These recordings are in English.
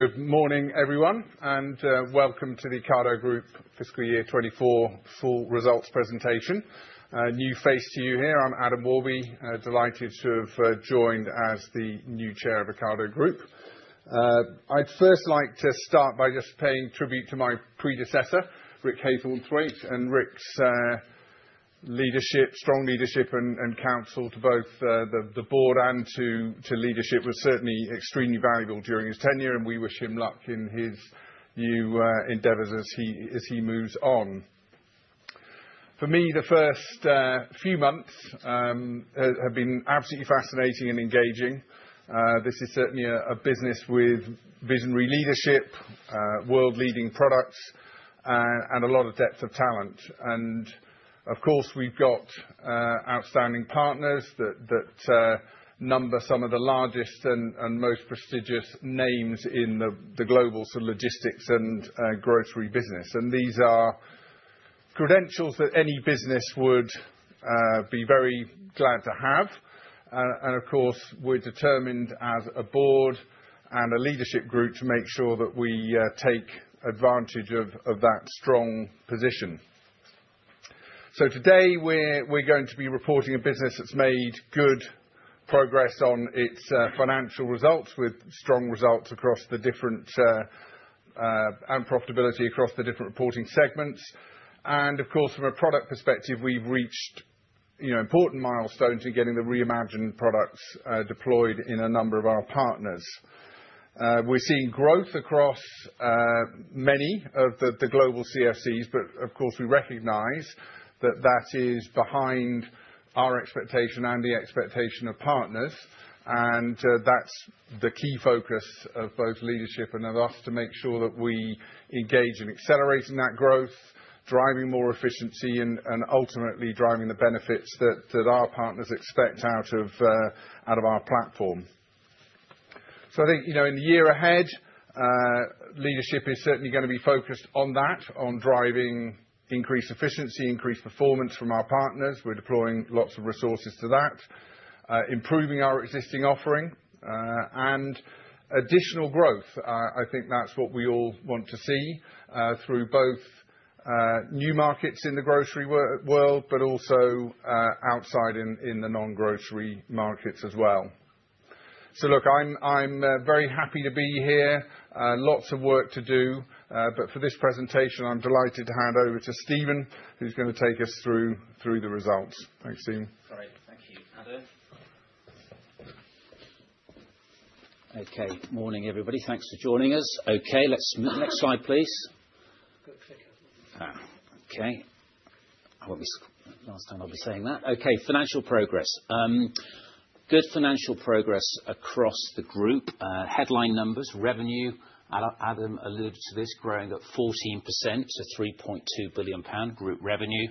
Good morning, everyone, and welcome to the Ocado Group fiscal year 2024 full results presentation. New face to you here. I'm Adam Warby, delighted to have joined as the new chair of Ocado Group. I'd first like to start by just paying tribute to my predecessor, Rick Haythornthwaite, and Rick's leadership, strong leadership, and counsel to both the board and to leadership was certainly extremely valuable during his tenure, and we wish him luck in his new endeavors as he moves on. For me, the first few months have been absolutely fascinating and engaging. This is certainly a business with visionary leadership, world-leading products, and a lot of depth of talent, and of course, we've got outstanding partners that number some of the largest and most prestigious names in the global logistics and grocery business, and these are credentials that any business would be very glad to have. And of course, we're determined as a board and a leadership group to make sure that we take advantage of that strong position. So today, we're going to be reporting a business that's made good progress on its financial results with strong results across the different and profitability across the different reporting segments. And of course, from a product perspective, we've reached important milestones in getting the Re:Imagined products deployed in a number of our partners. We're seeing growth across many of the global CFCs, but of course, we recognize that that is behind our expectation and the expectation of partners. And that's the key focus of both leadership and of us to make sure that we engage in accelerating that growth, driving more efficiency, and ultimately driving the benefits that our partners expect out of our platform. So I think in the year ahead, leadership is certainly going to be focused on that, on driving increased efficiency, increased performance from our partners. We're deploying lots of resources to that, improving our existing offering, and additional growth. I think that's what we all want to see through both new markets in the grocery world, but also outside in the non-grocery markets as well. So look, I'm very happy to be here. Lots of work to do. But for this presentation, I'm delighted to hand over to Stephen, who's going to take us through the results. Thanks, Stephen. Great. Thank you, Adam. Okay. Morning, everybody. Thanks for joining us. Okay. Next slide, please. Okay. Last time I'll be saying that. Okay. Financial progress. Good financial progress across the group. Headline numbers, revenue, Adam alluded to this, growing at 14% to 3.2 billion pound group revenue.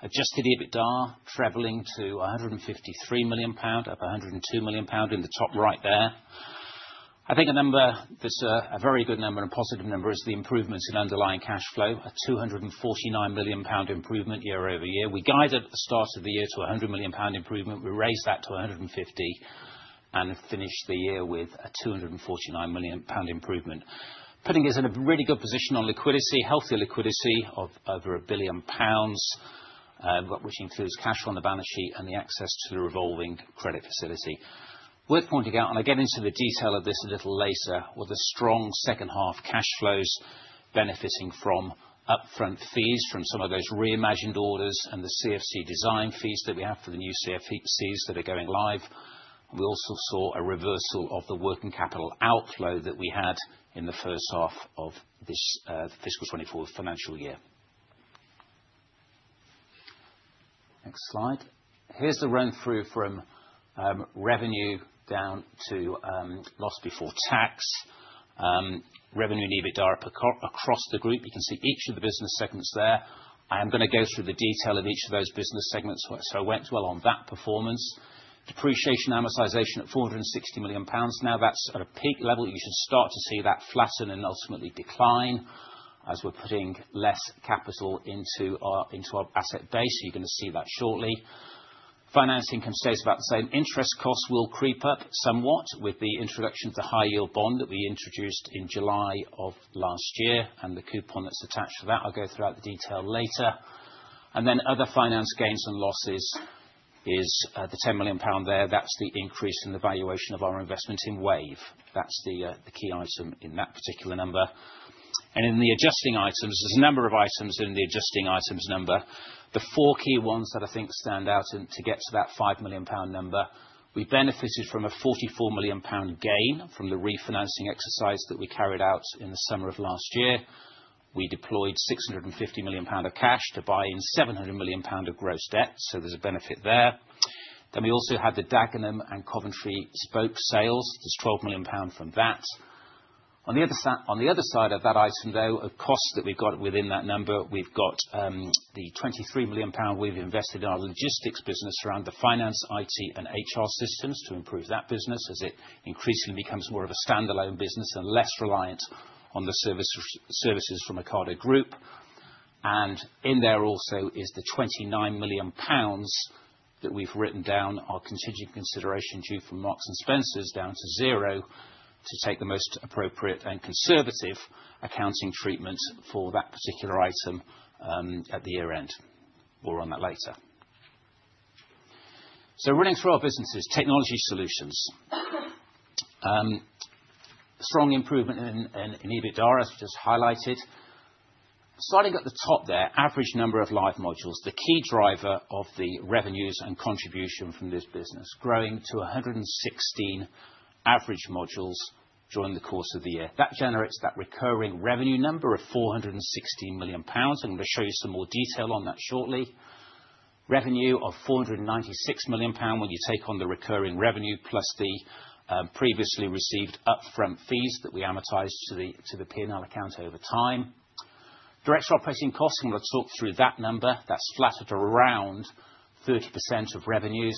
Adjusted EBITDA traveling to 153 million pound, up 102 million pound in the top right there. I think a number that's a very good number and a positive number is the improvements in underlying cash flow, a 249 million pound improvement year-over-year. We guided the start of the year to a 100 million pound improvement. We raised that to 150 million and finished the year with a 249 million pound improvement, putting us in a really good position on liquidity, healthy liquidity of over 1 billion pounds, which includes cash on the balance sheet and the access to the revolving credit facility. Worth pointing out, and I'll get into the detail of this a little later, were the strong second-half cash flows benefiting from upfront fees from some of those Re:Imagined orders and the CFC design fees that we have for the new CFCs that are going live. We also saw a reversal of the working capital outflow that we had in the first half of this fiscal 2024 financial year. Next slide. Here's the run-through from revenue down to loss before tax, revenue and EBITDA across the group. You can see each of the business segments there. I am going to go through the detail of each of those business segments. So I went well on that performance. Depreciation amortization at 460 million pounds. Now, that's at a peak level. You should start to see that flatten and ultimately decline as we're putting less capital into our asset base. You're going to see that shortly. Financing can stay about the same. Interest costs will creep up somewhat with the introduction of the high-yield bond that we introduced in July of last year and the coupon that's attached to that. I'll go through the detail later. And then other finance gains and losses is the 10 million pound there. That's the increase in the valuation of our investment in Wayve. That's the key item in that particular number. And in the adjusting items, there's a number of items in the adjusting items number. The four key ones that I think stand out to get to that 5 million pound number. We benefited from a 44 million pound gain from the refinancing exercise that we carried out in the summer of last year. We deployed 650 million pound of cash to buy in 700 million pound of gross debt. So there's a benefit there. We also had the Dagenham and Coventry spoke sales. There's 12 million pound from that. On the other side of that item, though, of costs that we've got within that number, we've got the 23 million pound we've invested in our logistics business around the finance, IT, and HR systems to improve that business as it increasingly becomes more of a standalone business and less reliant on the services from Ocado Group. And in there also is the 29 million pounds that we've written down our contingent consideration due from Marks and Spencer down to zero to take the most appropriate and conservative accounting treatment for that particular item at the year-end. We'll run that later. Running through our businesses, Technology Solutions. Strong improvement in EBITDA, as we just highlighted. Starting at the top there, average number of live modules, the key driver of the revenues and contribution from this business, growing to 116 average modules during the course of the year. That generates that recurring revenue number of 416 million pounds. I'm going to show you some more detail on that shortly. Revenue of 496 million pounds when you take on the recurring revenue plus the previously received upfront fees that we amortize to the P&L account over time. Direct operating costs, I'm going to talk through that number. That's flat at around 30% of revenues,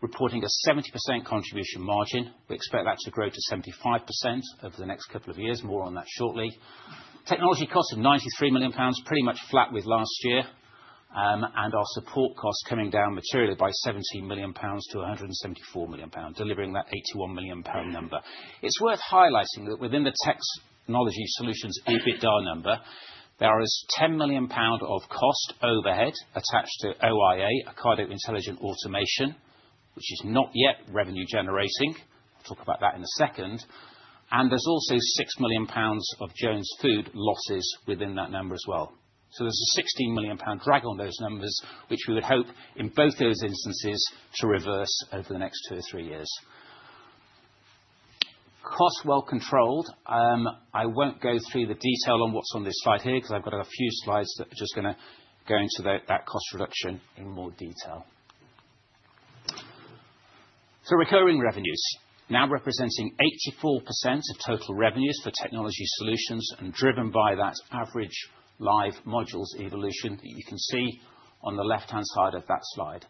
reporting a 70% contribution margin. We expect that to grow to 75% over the next couple of years. More on that shortly. Technology costs of 93 million pounds, pretty much flat with last year, and our support costs coming down materially by 17 million pounds to 174 million pounds, delivering that 81 million pound number. It's worth highlighting that within the Technology Solutions EBITDA number, there is 10 million pound of cost overhead attached to OIA, Ocado Intelligent Automation, which is not yet revenue generating. I'll talk about that in a second, and there's also 6 million pounds of Jones Food losses within that number as well, so there's a 16 million pound drag on those numbers, which we would hope in both those instances to reverse over the next two or three years. Cost well controlled. I won't go through the detail on what's on this slide here because I've got a few slides that are just going to go into that cost reduction in more detail, so recurring revenues now representing 84% of total revenues for Technology Solutions and driven by that average live modules evolution that you can see on the left-hand side of that slide.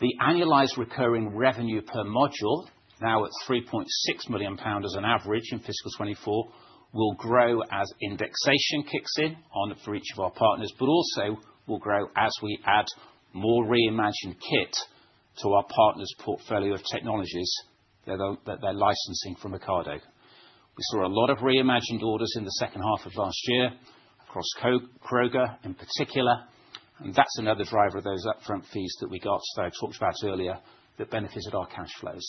The annualized recurring revenue per module now at 3.6 million as an average in fiscal 2024 will grow as indexation kicks in for each of our partners, but also will grow as we add more Re:Imagined kit to our partners' portfolio of technologies that they're licensing from Ocado. We saw a lot of Re:Imagined orders in the second half of last year across Kroger in particular. And that's another driver of those upfront fees that we got that I talked about earlier that benefited our cash flows.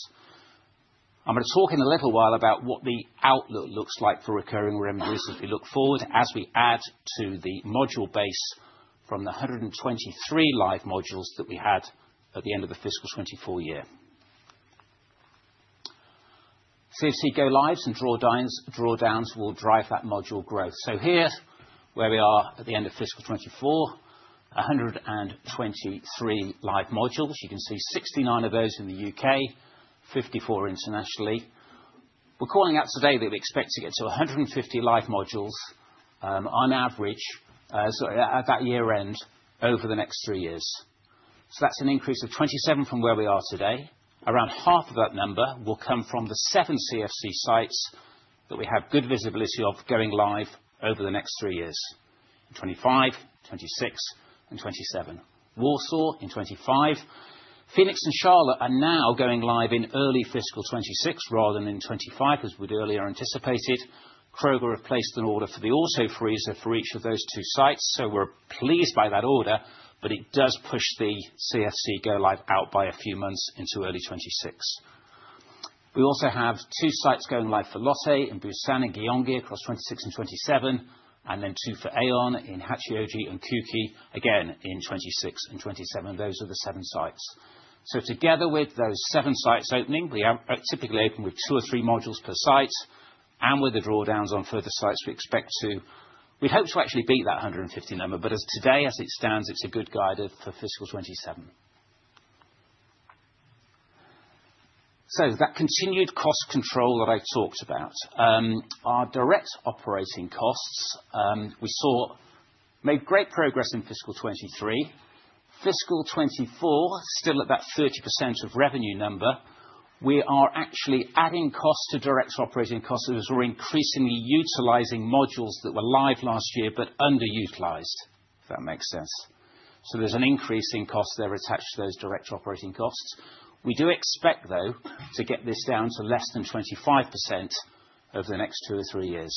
I'm going to talk in a little while about what the outlook looks like for recurring revenues as we look forward as we add to the module base from the 123 live modules that we had at the end of the fiscal 2024 year. CFC go lives and drawdowns will drive that module growth. So here where we are at the end of fiscal 2024, 123 live modules. You can see 69 of those in the U.K., 54 internationally. We're calling out today that we expect to get to 150 live modules on average at that year-end over the next three years. So that's an increase of 27 from where we are today. Around half of that number will come from the seven CFC sites that we have good visibility of going live over the next three years: 2025, 2026, and 2027. Warsaw in 2025. Phoenix and Charlotte are now going live in early fiscal 2026 rather than in 2025, as we'd earlier anticipated. Kroger have placed an order for the Auto Freezer for each of those two sites. So we're pleased by that order, but it does push the CFC go live out by a few months into early 2026. We also have two sites going live for Lotte in Busan, in Gyeonggi, across 2026 and 2027, and then two for Aeon in Hachioji and Kuki, again in 2026 and 2027. Those are the seven sites. So together with those seven sites opening, we typically open with two or three modules per site. And with the drawdowns on further sites, we expect to—we'd hope to actually beat that 150 number, but as today, as it stands, it's a good guide for fiscal 2027. So that continued cost control that I talked about, our direct operating costs, we saw made great progress in fiscal 2023. Fiscal 2024, still at that 30% of revenue number, we are actually adding costs to direct operating costs as we're increasingly utilizing modules that were live last year but underutilized, if that makes sense. So there's an increase in costs there attached to those direct operating costs. We do expect, though, to get this down to less than 25% over the next two or three years.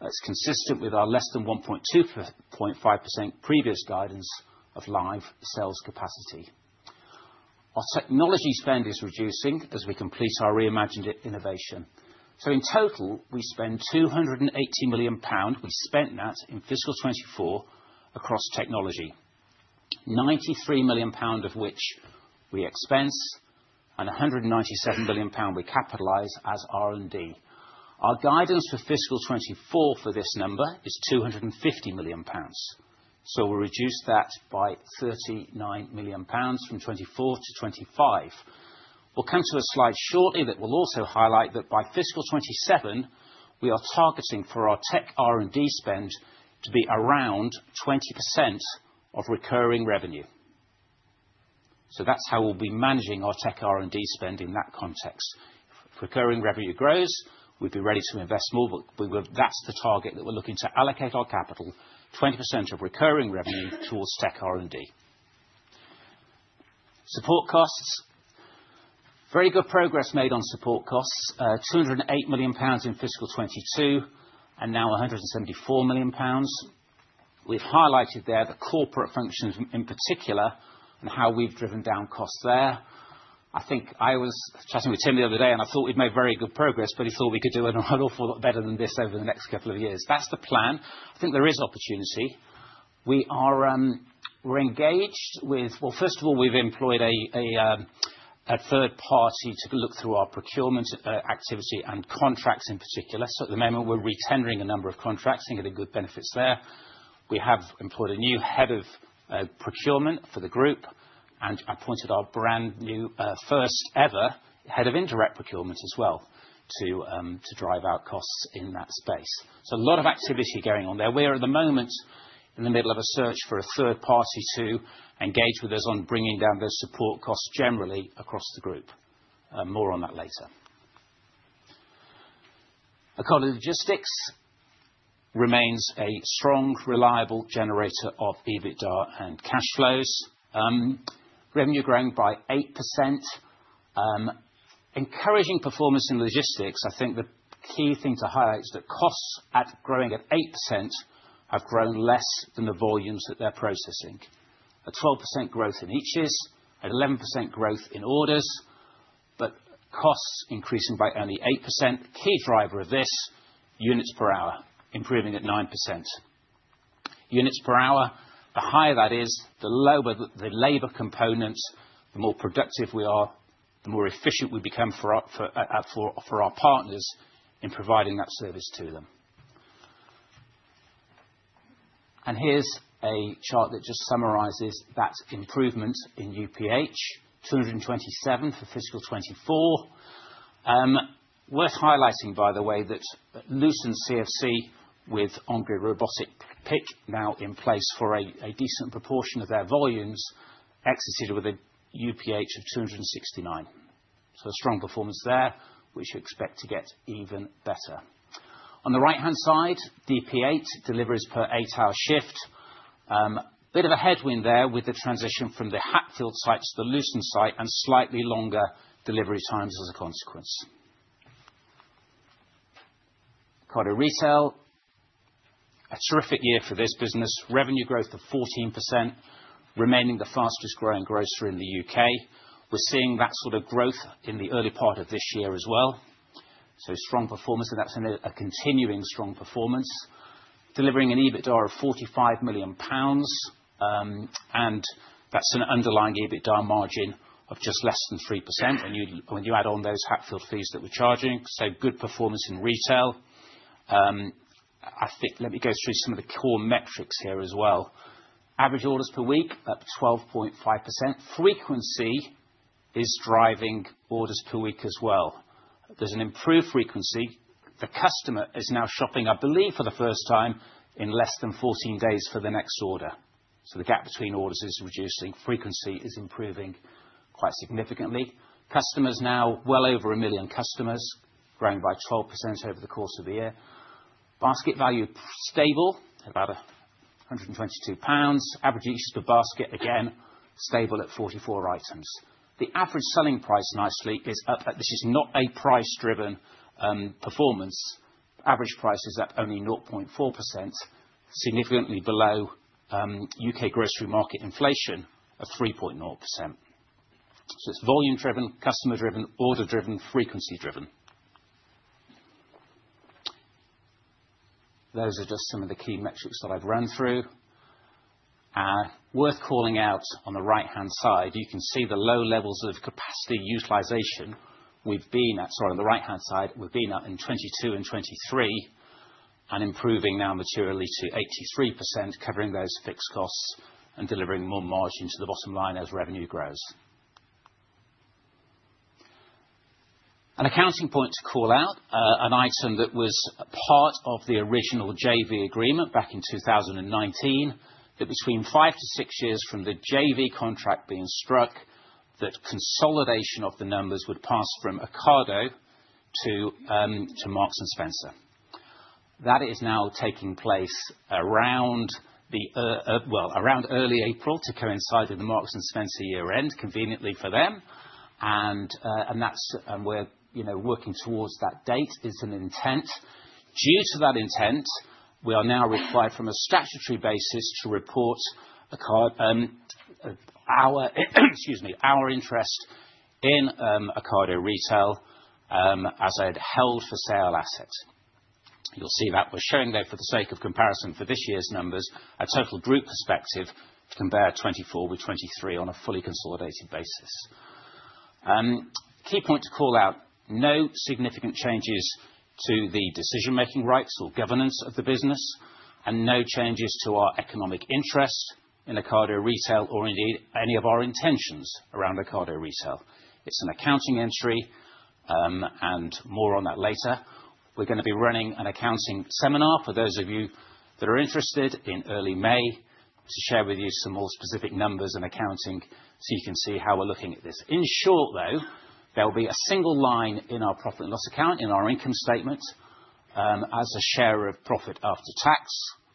That's consistent with our less than 1.25% previous guidance of live sales capacity. Our technology spend is reducing as we complete our Re:Imagined innovation. So in total, we spend 280 million pound. We spent that in fiscal 2024 across technology, 93 million pound of which we expense and 197 million pound we capitalize as R&D. Our guidance for fiscal 2024 for this number is 250 million pounds. So we'll reduce that by 39 million pounds from 2024 to 2025. We'll come to a slide shortly that will also highlight that by fiscal 2027, we are targeting for our tech R&D spend to be around 20% of recurring revenue. So that's how we'll be managing our tech R&D spend in that context. If recurring revenue grows, we'd be ready to invest more, but that's the target that we're looking to allocate our capital, 20% of recurring revenue towards tech R&D. Support costs. Very good progress made on support costs, 208 million pounds in fiscal 2022 and now 174 million pounds. We've highlighted there the corporate functions in particular and how we've driven down costs there. I think I was chatting with Tim the other day, and I thought we'd made very good progress, but he thought we could do an awful lot better than this over the next couple of years. That's the plan. I think there is opportunity. We're engaged with, well, first of all, we've employed a third party to look through our procurement activity and contracts in particular. So at the moment, we're retendering a number of contracts and getting good benefits there. We have employed a new head of procurement for the group and appointed our brand new first-ever head of indirect procurement as well to drive out costs in that space. So a lot of activity going on there. We're at the moment in the middle of a search for a third party to engage with us on bringing down those support costs generally across the group. More on that later. Ocado Logistics remains a strong, reliable generator of EBITDA and cash flows. Revenue growing by 8%. Encouraging performance in logistics, I think the key thing to highlight is that costs are growing at 8% have grown less than the volumes that they're processing. A 12% growth in eaches, an 11% growth in orders, but costs increasing by only 8%. Key driver of this, units per hour, improving at 9%. Units per hour, the higher that is, the lower the labor components, the more productive we are, the more efficient we become for our partners in providing that service to them, and here's a chart that just summarizes that improvement in UPH, 227 for fiscal 2024. Worth highlighting, by the way, that Luton CFC with On-Grid Robotic Pick now in place for a decent proportion of their volumes exited with a UPH of 269, so a strong performance there, which we expect to get even better. On the right-hand side, DP8 deliveries per eight-hour shift. Bit of a headwind there with the transition from the Hatfield site to the Luton site and slightly longer delivery times as a consequence. Ocado Retail, a terrific year for this business. Revenue growth of 14%, remaining the fastest-growing grocery in the U.K. We're seeing that sort of growth in the early part of this year as well. So strong performance, and that's a continuing strong performance. Delivering an EBITDA of 45 million pounds, and that's an underlying EBITDA margin of just less than 3% when you add on those Hatfield fees that we're charging. So good performance in retail. Let me go through some of the core metrics here as well. Average orders per week up 12.5%. Frequency is driving orders per week as well. There's an improved frequency. The customer is now shopping, I believe, for the first time in less than 14 days for the next order. So the gap between orders is reducing. Frequency is improving quite significantly. Customers now well over a million customers, growing by 12% over the course of the year. Basket value stable, about 122 pounds. Average eaches per basket, again, stable at 44 items. The average selling price nicely is up. This is not a price-driven performance. Average price is up only 0.4%, significantly below U.K. grocery market inflation of 3.0%. So it's volume-driven, customer-driven, order-driven, frequency-driven. Those are just some of the key metrics that I've run through. Worth calling out on the right-hand side, you can see the low levels of capacity utilization. We've been at - sorry, on the right-hand side, we've been at in 2022 and 2023 and improving now materially to 83%, covering those fixed costs and delivering more margin to the bottom line as revenue grows. An accounting point to call out, an item that was part of the original JV agreement back in 2019, that between five-to-six years from the JV contract being struck, that consolidation of the numbers would pass from Ocado to Marks and Spencer. That is now taking place around the, well, around early April to coincide with the Marks and Spencer year-end, conveniently for them, and that's where we're working towards that date is an intent. Due to that intent, we are now required from a statutory basis to report our, excuse me, our interest in Ocado Retail as a held-for-sale asset. You'll see that we're showing, though, for the sake of comparison for this year's numbers, a total group perspective to compare 2024 with 2023 on a fully consolidated basis. Key point to call out, no significant changes to the decision-making rights or governance of the business, and no changes to our economic interest in Ocado Retail or indeed any of our intentions around Ocado Retail. It's an accounting entry, and more on that later. We're going to be running an accounting seminar for those of you that are interested in early May to share with you some more specific numbers and accounting so you can see how we're looking at this. In short, though, there'll be a single line in our profit and loss account in our income statement as a share of profit after tax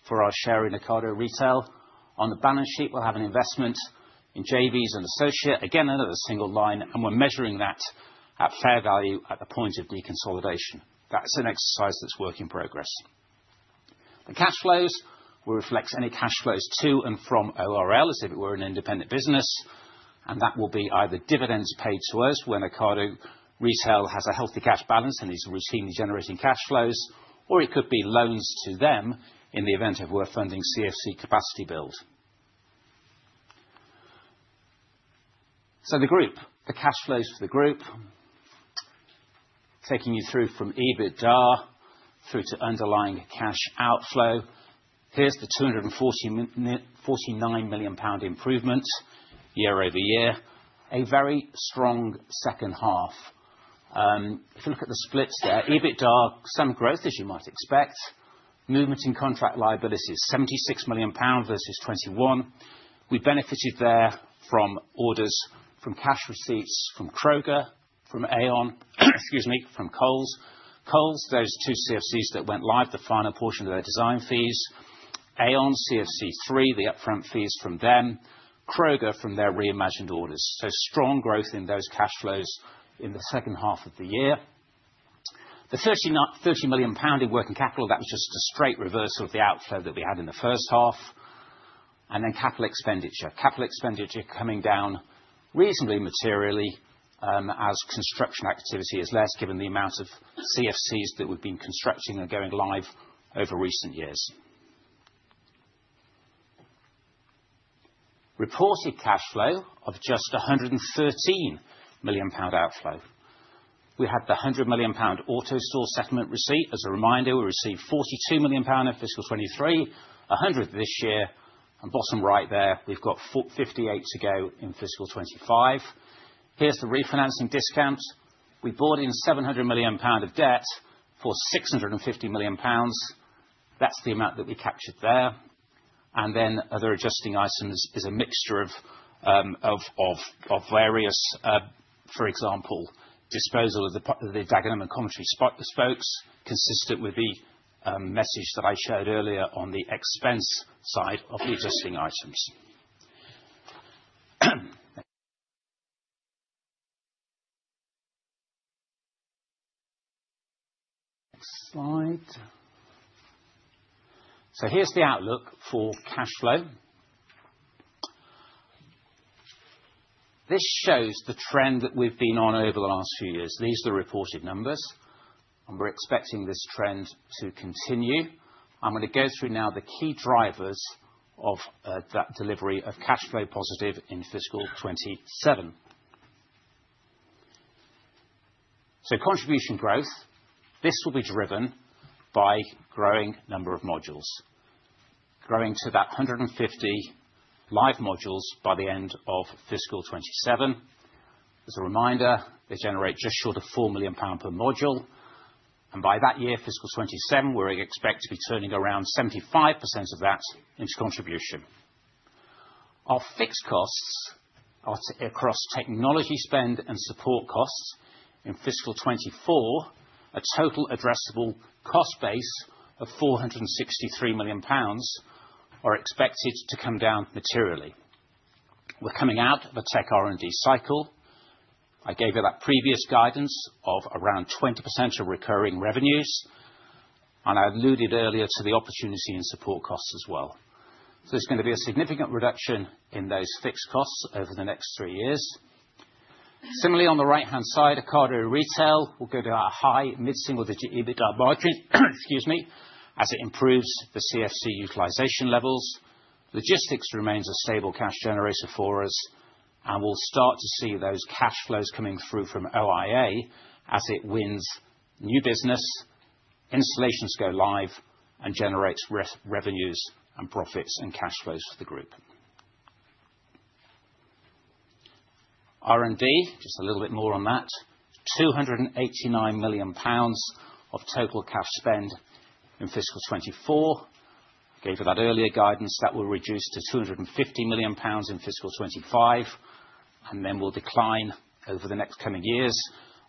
for our share in Ocado Retail. On the balance sheet, we'll have an investment in JVs and associate. Again, another single line, and we're measuring that at fair value at the point of deconsolidation. That's an exercise that's work in progress. The cash flows will reflect any cash flows to and from ORL as if it were an independent business, and that will be either dividends paid to us when Ocado Retail has a healthy cash balance and is routinely generating cash flows, or it could be loans to them in the event of we're funding CFC capacity build. So the group, the cash flows for the group, taking you through from EBITDA through to underlying cash outflow. Here's the 249 million pound improvement year over year, a very strong second half. If you look at the splits there, EBITDA, some growth as you might expect. Movement in contract liabilities, 76 million pounds versus 2021. We benefited there from orders, from cash receipts, from Kroger, from Aeon, excuse me, from Coles. Coles, those two CFCs that went live, the final portion of their design fees. Aeon, CFC 3, the upfront fees from them. Kroger, from their Re:Imagined orders. Strong growth in those cash flows in the second half of the year. The 30 million pound in working capital, that was just a straight reversal of the outflow that we had in the first half, and then capital expenditure. Capital expenditure coming down reasonably materially as construction activity is less, given the amount of CFCs that we've been constructing and going live over recent years. Reported cash flow of just 113 million pound outflow. We had the 100 million pound AutoStore settlement receipt. As a reminder, we received 42 million pound in fiscal 2023, 100 million this year. Bottom right there, we've got 58 million to go in fiscal 2025. Here's the refinancing discount. We bought in 700 million pound of debt for 650 million pounds. That's the amount that we captured there. And then other adjusting items is a mixture of various, for example, disposal of the Dagenham and Coventry spokes, consistent with the message that I shared earlier on the expense side of the adjusting items. Next slide. So here's the outlook for cash flow. This shows the trend that we've been on over the last few years. These are the reported numbers, and we're expecting this trend to continue. I'm going to go through now the key drivers of that delivery of cash flow positive in fiscal 2027. So contribution growth, this will be driven by growing number of modules, growing to that 150 live modules by the end of fiscal 2027. As a reminder, they generate just short of 4 million pound per module. And by that year, fiscal 2027, we expect to be turning around 75% of that into contribution. Our fixed costs across technology spend and support costs in fiscal 2024, a total addressable cost base of 463 million pounds, are expected to come down materially. We're coming out of a tech R&D cycle. I gave you that previous guidance of around 20% of recurring revenues, and I alluded earlier to the opportunity in support costs as well. So there's going to be a significant reduction in those fixed costs over the next three years. Similarly, on the right-hand side, Ocado Retail will go to a high mid-single-digit EBITDA margin, excuse me, as it improves the CFC utilization levels. Logistics remains a stable cash generator for us, and we'll start to see those cash flows coming through from OIA as it wins new business, installations go live, and generates revenues and profits and cash flows for the group. R&D, just a little bit more on that. 289 million pounds of total cash spend in fiscal 2024. I gave you that earlier guidance that will reduce to 250 million pounds in fiscal 2025, and then we'll decline over the next coming years.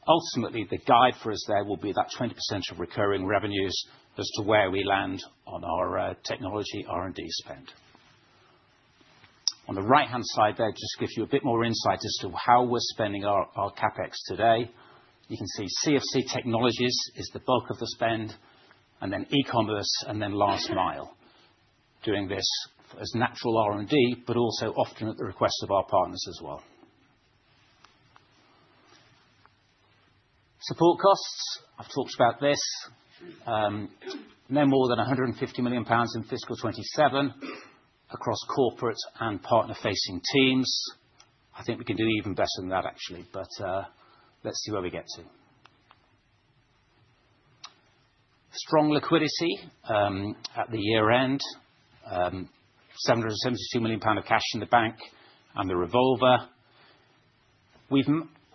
Ultimately, the guide for us there will be that 20% of recurring revenues as to where we land on our technology R&D spend. On the right-hand side there, just to give you a bit more insight as to how we're spending our CapEx today. You can see CFC technologies is the bulk of the spend, and then e-commerce, and then last mile, doing this as natural R&D, but also often at the request of our partners as well. Support costs, I've talked about this. No more than 150 million pounds in fiscal 2027 across corporate and partner-facing teams. I think we can do even better than that, actually, but let's see where we get to. Strong liquidity at the year-end, 772 million pound of cash in the bank and the revolver. We've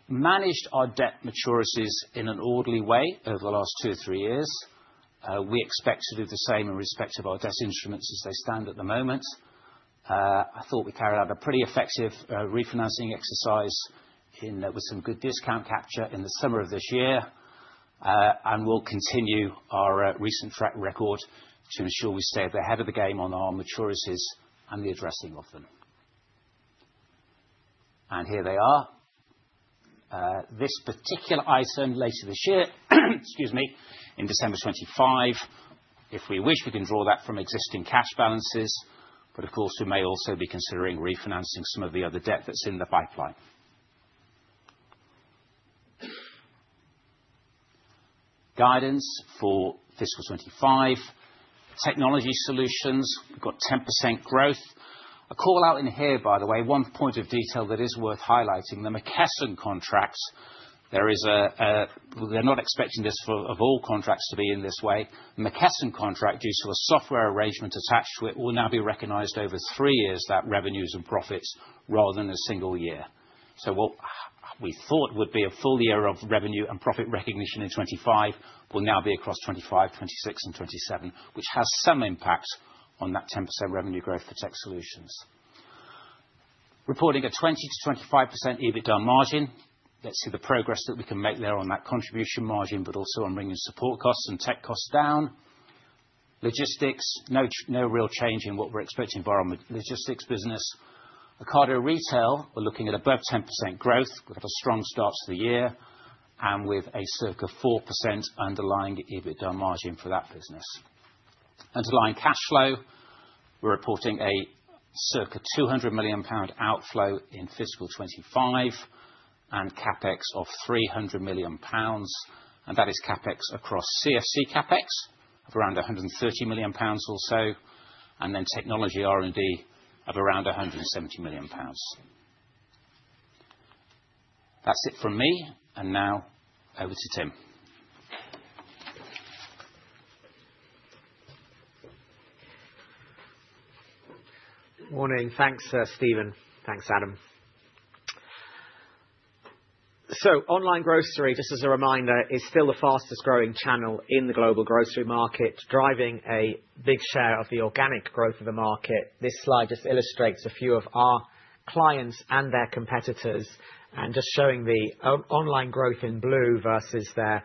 managed our debt maturities in an orderly way over the last two or three years. We expect to do the same in respect of our debt instruments as they stand at the moment. I thought we carried out a pretty effective refinancing exercise with some good discount capture in the summer of this year, and we'll continue our recent track record to ensure we stay at the head of the game on our maturities and the addressing of them, and here they are. This particular item later this year, excuse me, in December 2025, if we wish, we can draw that from existing cash balances, but of course, we may also be considering refinancing some of the other debt that's in the pipeline. Guidance for fiscal 2025. Technology Solutions, we've got 10% growth. A call out in here, by the way. One point of detail that is worth highlighting: the McKesson contracts. They're not expecting this of all contracts to be in this way. McKesson contract, due to a software arrangement attached to it, will now be recognized over three years that revenues and profits rather than a single year. So what we thought would be a full year of revenue and profit recognition in 2025 will now be across 2025, 2026, and 2027, which has some impact on that 10% revenue growth for tech solutions. Reporting a 20%-25% EBITDA margin. Let's see the progress that we can make there on that contribution margin, but also on bringing support costs and tech costs down. Logistics, no real change in what we're expecting for our logistics business. Ocado Retail, we're looking at above 10% growth. We've had a strong start to the year, and with a circa 4% underlying EBITDA margin for that business. Underlying cash flow, we're reporting a circa 200 million pound outflow in fiscal 2025 and CapEx of 300 million pounds, and that is CapEx across CFC CapEx of around 130 million pounds or so, and then Technology R&D of around 170 million pounds. That's it from me, and now over to Tim. Morning. Thanks, Stephen. Thanks, Adam. So online grocery, just as a reminder, is still the fastest growing channel in the global grocery market, driving a big share of the organic growth of the market. This slide just illustrates a few of our clients and their competitors, and just showing the online growth in blue versus their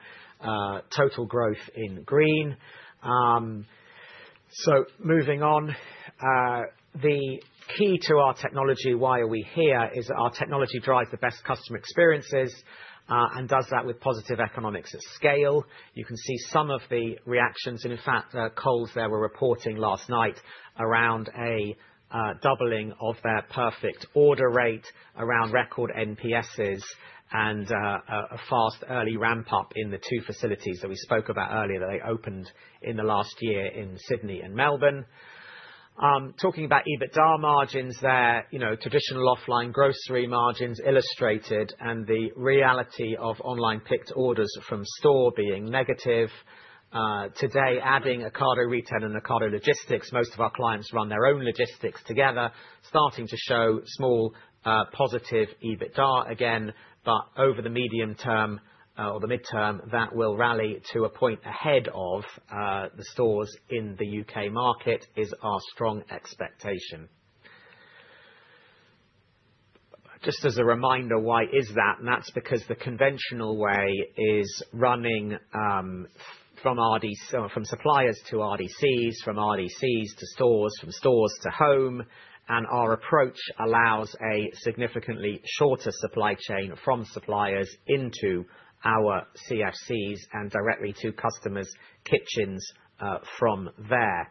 total growth in green. So, moving on, the key to our technology, why we are here, is that our technology drives the best customer experiences and does that with positive economics at scale. You can see some of the reactions, and in fact, Coles there were reporting last night around a doubling of their perfect order rate, around record NPS, and a fast early ramp-up in the two facilities that we spoke about earlier that they opened in the last year in Sydney and Melbourne. Talking about EBITDA margins there, traditional offline grocery margins illustrated, and the reality of online picked orders from store being negative. Today, adding Ocado Retail and Ocado Logistics, most of our clients run their own logistics together, starting to show small positive EBITDA again, but over the medium term or the midterm, that will rally to a point ahead of the stores in the U.K. market is our strong expectation. Just as a reminder, why is that? And that's because the conventional way is running from suppliers to RDCs, from RDCs to stores, from stores to home, and our approach allows a significantly shorter supply chain from suppliers into our CFCs and directly to customers' kitchens from there.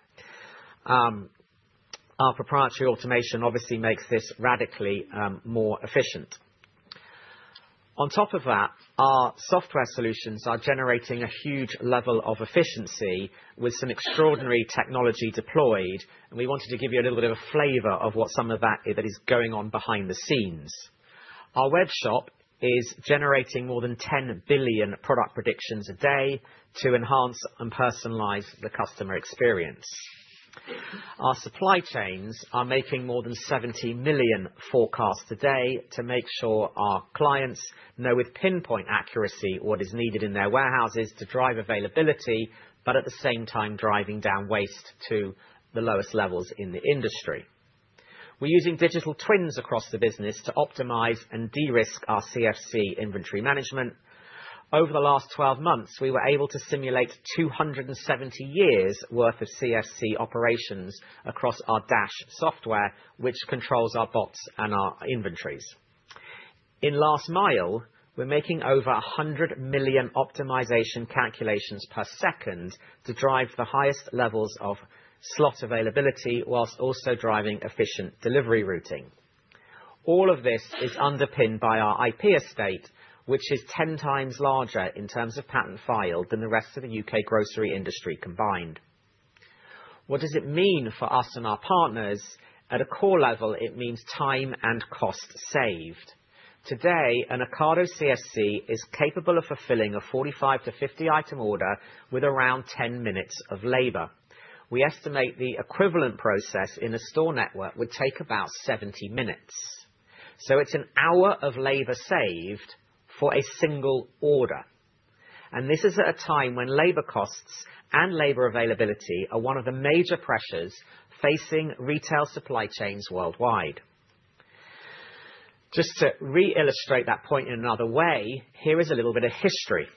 Our proprietary automation obviously makes this radically more efficient. On top of that, our software solutions are generating a huge level of efficiency with some extraordinary technology deployed, and we wanted to give you a little bit of a flavor of what some of that is going on behind the scenes. Our webshop is generating more than 10 billion product predictions a day to enhance and personalize the customer experience. Our supply chains are making more than 70 million forecasts a day to make sure our clients know with pinpoint accuracy what is needed in their warehouses to drive availability, but at the same time, driving down waste to the lowest levels in the industry. We're using digital twins across the business to optimize and de-risk our CFC inventory management. Over the last 12 months, we were able to simulate 270 years' worth of CFC operations across our Dash software, which controls our bots and our inventories. In last mile, we're making over 100 million optimization calculations per second to drive the highest levels of slot availability while also driving efficient delivery routing. All of this is underpinned by our IP estate, which is 10 times larger in terms of patent filings than the rest of the U.K. grocery industry combined. What does it mean for us and our partners? At a core level, it means time and cost saved. Today, an Ocado CFC is capable of fulfilling a 45-50 item order with around 10 minutes of labor. We estimate the equivalent process in a store network would take about 70 minutes. So it's an hour of labor saved for a single order. And this is at a time when labor costs and labor availability are one of the major pressures facing retail supply chains worldwide. Just to reillustrate that point in another way, here is a little bit of history.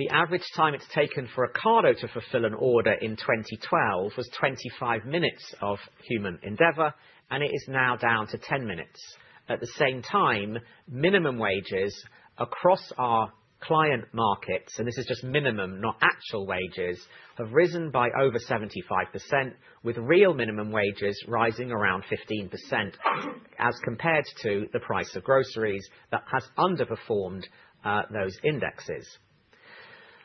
The average time it's taken for Ocado to fulfill an order in 2012 was 25 minutes of human endeavour, and it is now down to 10 minutes. At the same time, minimum wages across our client markets, and this is just minimum, not actual wages, have risen by over 75%, with real minimum wages rising around 15% as compared to the price of groceries that has underperformed those indexes.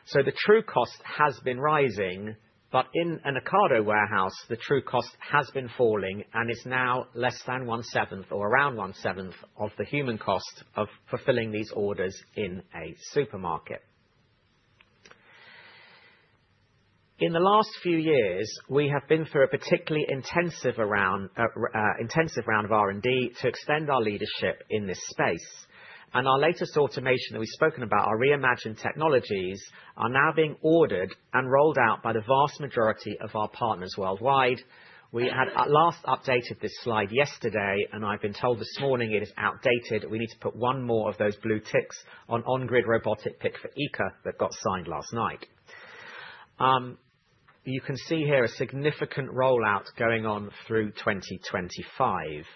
So the true cost has been rising, but in an Ocado warehouse, the true cost has been falling and is now less than one-seventh or around one-seventh of the human cost of fulfilling these orders in a supermarket. In the last few years, we have been through a particularly intensive round of R&D to extend our leadership in this space. Our latest automation that we've spoken about, our Re:Imagined technologies, are now being ordered and rolled out by the vast majority of our partners worldwide. We had last updated this slide yesterday, and I've been told this morning it is outdated. We need to put one more of those blue ticks on On-Grid Robotic Pick for ICA that got signed last night. You can see here a significant rollout going on through 2025.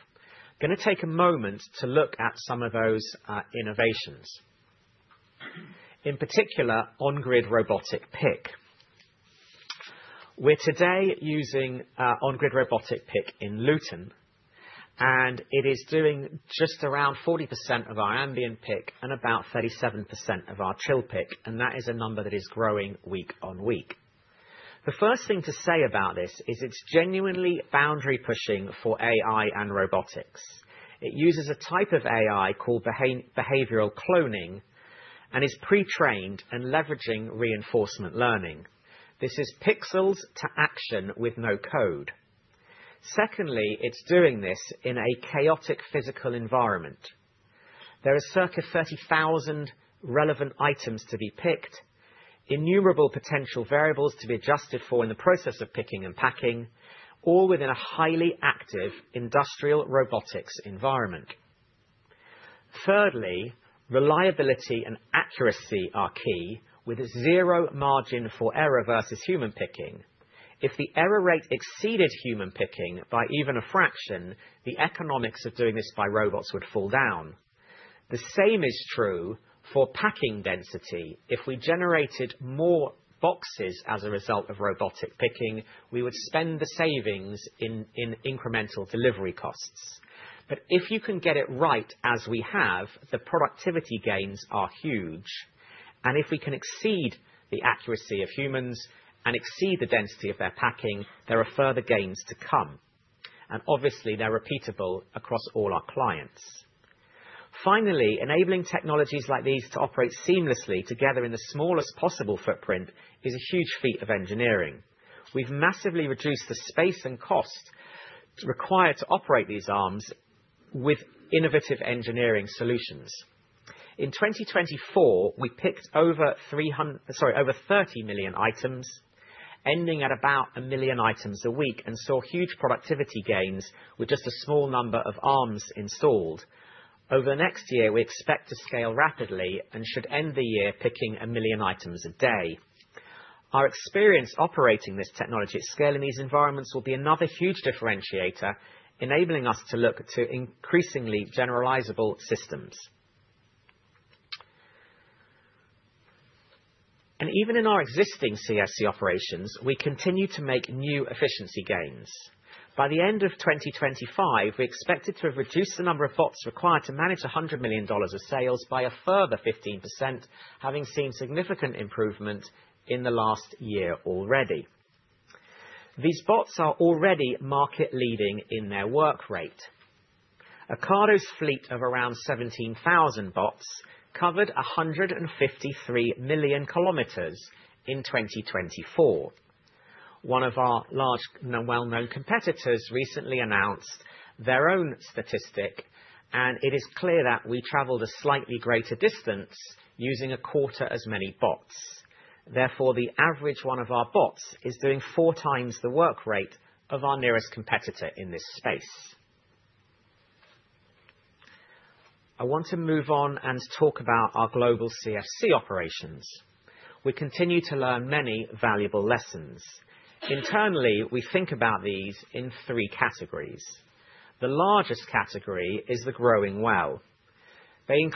I'm going to take a moment to look at some of those innovations. In particular, On-Grid Robotic Pick. We're today using On-Grid Robotic Pick in Luton, and it is doing just around 40% of our ambient pick and about 37% of our chill pick, and that is a number that is growing week on week. The first thing to say about this is it's genuinely boundary-pushing for AI and robotics. It uses a type of AI called behavioral cloning and is pre-trained and leveraging reinforcement learning. This is pixels to action with no code. Secondly, it's doing this in a chaotic physical environment. There are circa 30,000 relevant items to be picked, innumerable potential variables to be adjusted for in the process of picking and packing, all within a highly active industrial robotics environment. Thirdly, reliability and accuracy are key with zero margin for error versus human picking. If the error rate exceeded human picking by even a fraction, the economics of doing this by robots would fall down. The same is true for packing density. If we generated more boxes as a result of robotic picking, we would spend the savings in incremental delivery costs. But if you can get it right as we have, the productivity gains are huge. If we can exceed the accuracy of humans and exceed the density of their packing, there are further gains to come. Obviously, they're repeatable across all our clients. Finally, enabling technologies like these to operate seamlessly together in the smallest possible footprint is a huge feat of engineering. We've massively reduced the space and cost required to operate these arms with innovative engineering solutions. In 2024, we picked over 30 million items, ending at about a million items a week, and saw huge productivity gains with just a small number of arms installed. Over the next year, we expect to scale rapidly and should end the year picking a million items a day. Our experience operating this technology at scale in these environments will be another huge differentiator, enabling us to look to increasingly generalisable systems. Even in our existing CFC operations, we continue to make new efficiency gains. By the end of 2025, we expected to have reduced the number of bots required to manage 100 million of sales by a further 15%, having seen significant improvement in the last year already. These bots are already market-leading in their work rate. Ocado's fleet of around 17,000 bots covered 153 million kilometers in 2024. One of our large well-known competitors recently announced their own statistic, and it is clear that we travelled a slightly greater distance using a quarter as many bots. Therefore, the average one of our bots is doing four times the work rate of our nearest competitor in this space. I want to move on and talk about our global CFC operations. We continue to learn many valuable lessons. Internally, we think about these in three categories. The largest category is the growing well, and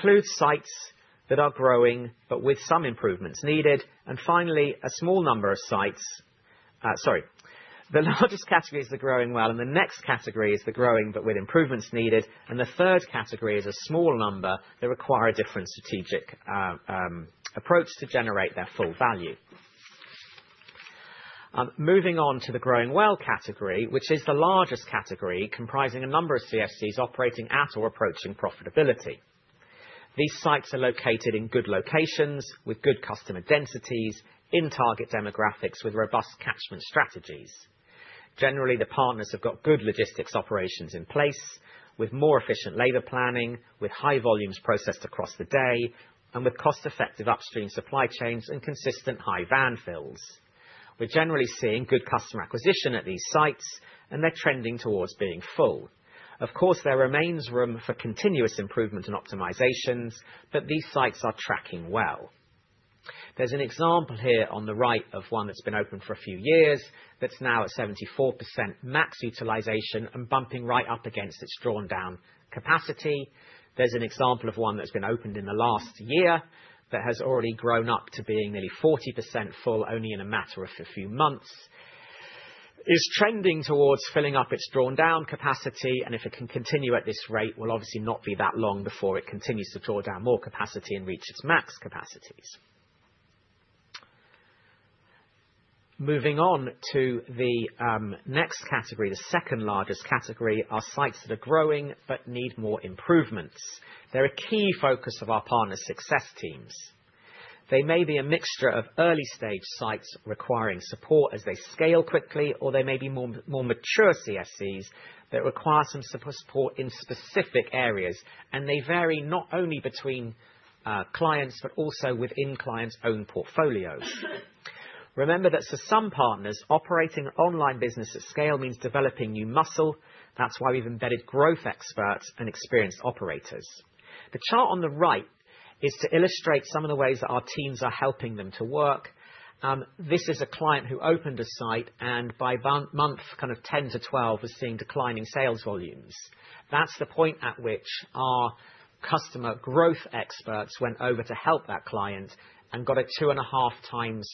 the next category is the growing but with improvements needed, and the third category is a small number that require a different strategic approach to generate their full value. Moving on to the growing well category, which is the largest category comprising a number of CFCs operating at or approaching profitability. These sites are located in good locations with good customer densities in target demographics with robust catchment strategies. Generally, the partners have got good logistics operations in place with more efficient labor planning, with high volumes processed across the day, and with cost-effective upstream supply chains and consistent high van fills. We're generally seeing good customer acquisition at these sites, and they're trending towards being full. Of course, there remains room for continuous improvement and optimizations, but these sites are tracking well. There's an example here on the right of one that's been open for a few years that's now at 74% max utilization and bumping right up against its drawn-down capacity. There's an example of one that's been opened in the last year that has already grown up to being nearly 40% full only in a matter of a few months, is trending towards filling up its drawn-down capacity, and if it can continue at this rate, will obviously not be that long before it continues to draw down more capacity and reach its max capacities. Moving on to the next category, the second largest category, are sites that are growing but need more improvements. They're a key focus of our partner's success teams. They may be a mixture of early-stage sites requiring support as they scale quickly, or they may be more mature CFCs that require some support in specific areas, and they vary not only between clients but also within clients' own portfolios. Remember that for some partners, operating online business at scale means developing new muscle. That's why we've embedded growth experts and experienced operators. The chart on the right is to illustrate some of the ways that our teams are helping them to work. This is a client who opened a site, and by month kind of 10-12, was seeing declining sales volumes. That's the point at which our customer growth experts went over to help that client and got a two and a half times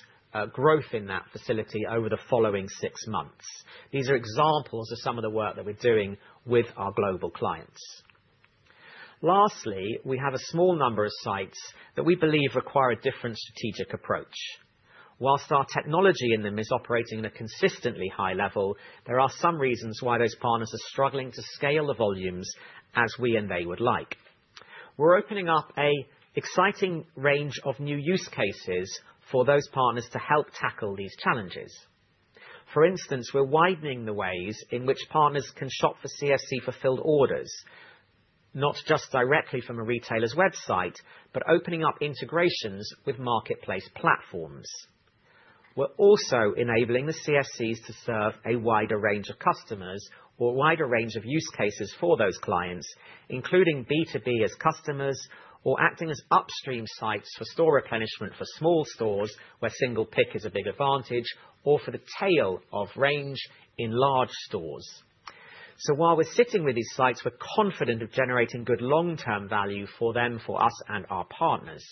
growth in that facility over the following six months. These are examples of some of the work that we're doing with our global clients. Lastly, we have a small number of sites that we believe require a different strategic approach. While our technology in them is operating at a consistently high level, there are some reasons why those partners are struggling to scale the volumes as we and they would like. We're opening up an exciting range of new use cases for those partners to help tackle these challenges. For instance, we're widening the ways in which partners can shop for CFC-fulfilled orders, not just directly from a retailer's website, but opening up integrations with marketplace platforms. We're also enabling the CFCs to serve a wider range of customers or a wider range of use cases for those clients, including B2B as customers or acting as upstream sites for store replenishment for small stores where single pick is a big advantage or for the tail of range in large stores, so while we're sitting with these sites, we're confident of generating good long-term value for them, for us, and our partners.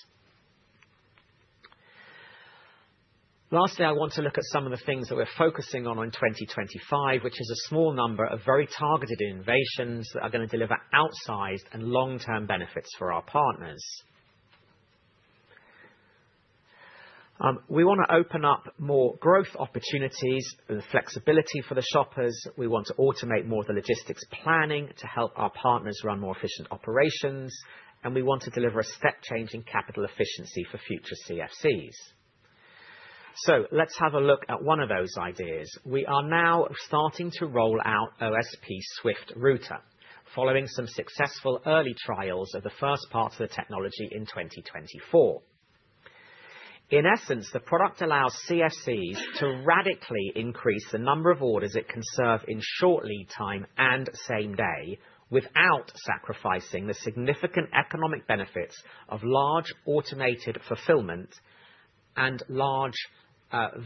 Lastly, I want to look at some of the things that we're focusing on in 2025, which is a small number of very targeted innovations that are going to deliver outsized and long-term benefits for our partners. We want to open up more growth opportunities with flexibility for the shoppers. We want to automate more of the logistics planning to help our partners run more efficient operations, and we want to deliver a step-changing capital efficiency for future CFCs. So let's have a look at one of those ideas. We are now starting to roll out OSP Swift Router, following some successful early trials of the first parts of the technology in 2024. In essence, the product allows CFCs to radically increase the number of orders it can serve in short lead time and same day without sacrificing the significant economic benefits of large automated fulfillment and large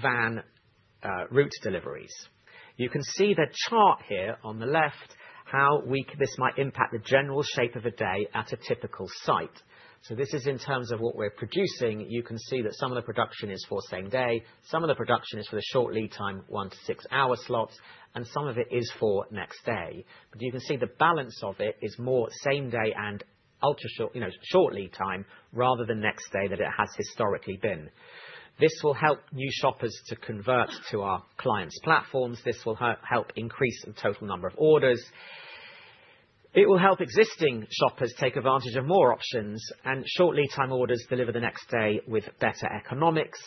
van route deliveries. You can see the chart here on the left, how this might impact the general shape of a day at a typical site. So this is in terms of what we're producing. You can see that some of the production is for same day. Some of the production is for the short lead time, one to six-hour slots, and some of it is for next day. But you can see the balance of it is more same day and short lead time rather than next day than it has historically been. This will help new shoppers to convert to our clients' platforms. This will help increase the total number of orders. It will help existing shoppers take advantage of more options, and short lead time orders deliver the next day with better economics.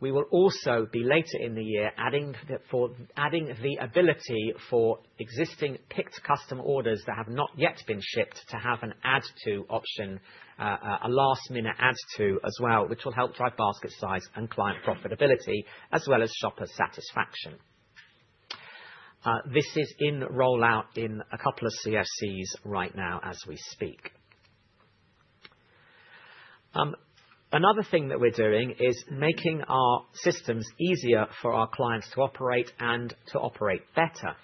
We will also be later in the year adding the ability for existing picked customer orders that have not yet been shipped to have an add-to option, a last-minute add-to as well, which will help drive basket size and client profitability as well as shopper satisfaction. This is in rollout in a couple of CFCs right now as we speak. Another thing that we're doing is making our systems easier for our clients to operate and to operate better.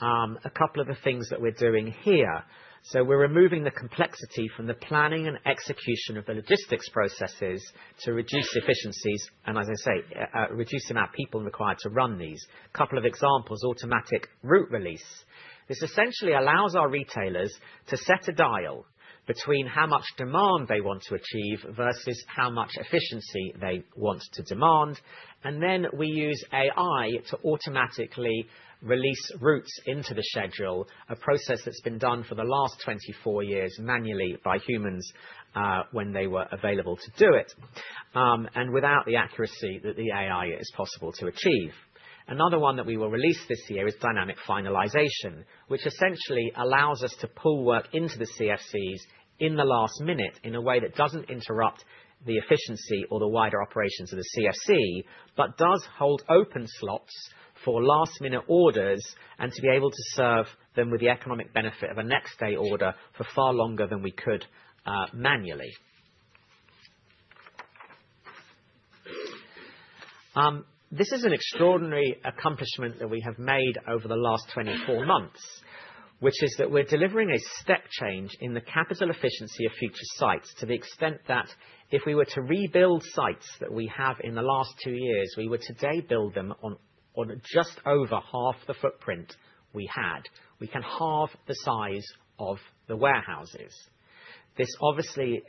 A couple of the things that we're doing here. So we're removing the complexity from the planning and execution of the logistics processes to reduce efficiencies and, as I say, reduce the amount of people required to run these. A couple of examples, Automatic Route Release. This essentially allows our retailers to set a dial between how much demand they want to achieve versus how much efficiency they want to demand. And then we use AI to automatically release routes into the schedule, a process that's been done for the last 24 years manually by humans when they were available to do it and without the accuracy that the AI is possible to achieve. Another one that we will release this year is Dynamic Finalization, which essentially allows us to pull work into the CFCs in the last minute in a way that doesn't interrupt the efficiency or the wider operations of the CFC, but does hold open slots for last-minute orders and to be able to serve them with the economic benefit of a next-day order for far longer than we could manually. This is an extraordinary accomplishment that we have made over the last 24 months, which is that we're delivering a step change in the capital efficiency of future sites to the extent that if we were to rebuild sites that we have in the last two years, we would today build them on just over half the footprint we had. We can halve the size of the warehouses. This obviously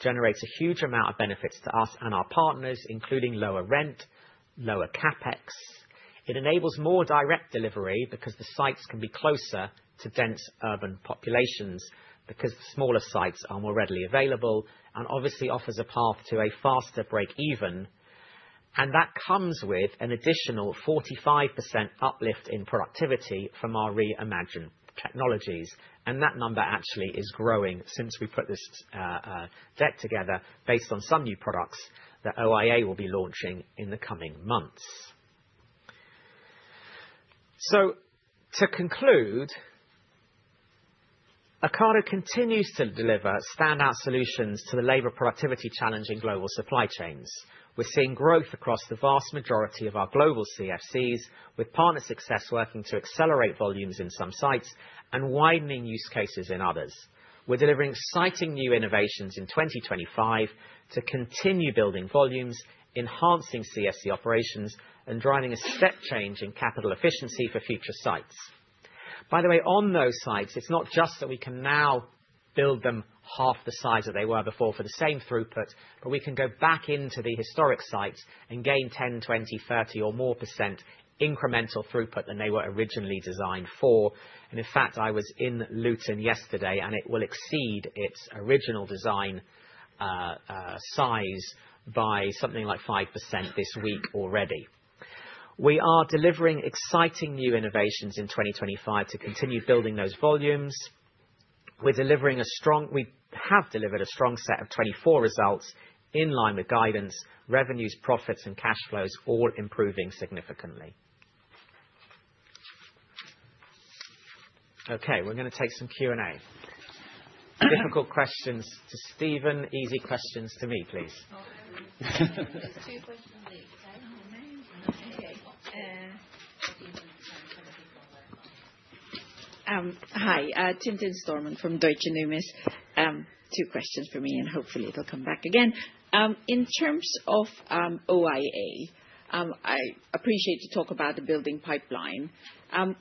generates a huge amount of benefits to us and our partners, including lower rent, lower CapEx. It enables more direct delivery because the sites can be closer to dense urban populations because smaller sites are more readily available and obviously offers a path to a faster break-even, and that comes with an additional 45% uplift in productivity from our Re:Imagined technologies. And that number actually is growing since we put this deck together based on some new products that OIA will be launching in the coming months. To conclude, Ocado continues to deliver standout solutions to the labor productivity challenge in global supply chains. We're seeing growth across the vast majority of our global CFCs with partner success working to accelerate volumes in some sites and widening use cases in others. We're delivering exciting new innovations in 2025 to continue building volumes, enhancing CFC operations, and driving a step change in capital efficiency for future sites. By the way, on those sites, it's not just that we can now build them half the size that they were before for the same throughput, but we can go back into the historic sites and gain 10%, 20%, 30%, or more incremental throughput than they were originally designed for. And in fact, I was in Luton yesterday, and it will exceed its original design size by something like 5% this week already. We are delivering exciting new innovations in 2025 to continue building those volumes. We have delivered a strong set of 2024 results in line with guidance, revenues, profits, and cash flows, all improving significantly. Okay, we're going to take some Q&A. Difficult questions to Stephen. Easy questions to me, please. Hi, Tim. Tintin Stormont from Deutsche Numis. Two questions for me, and hopefully they'll come back again. In terms of OIA, I appreciate you talk about the bidding pipeline.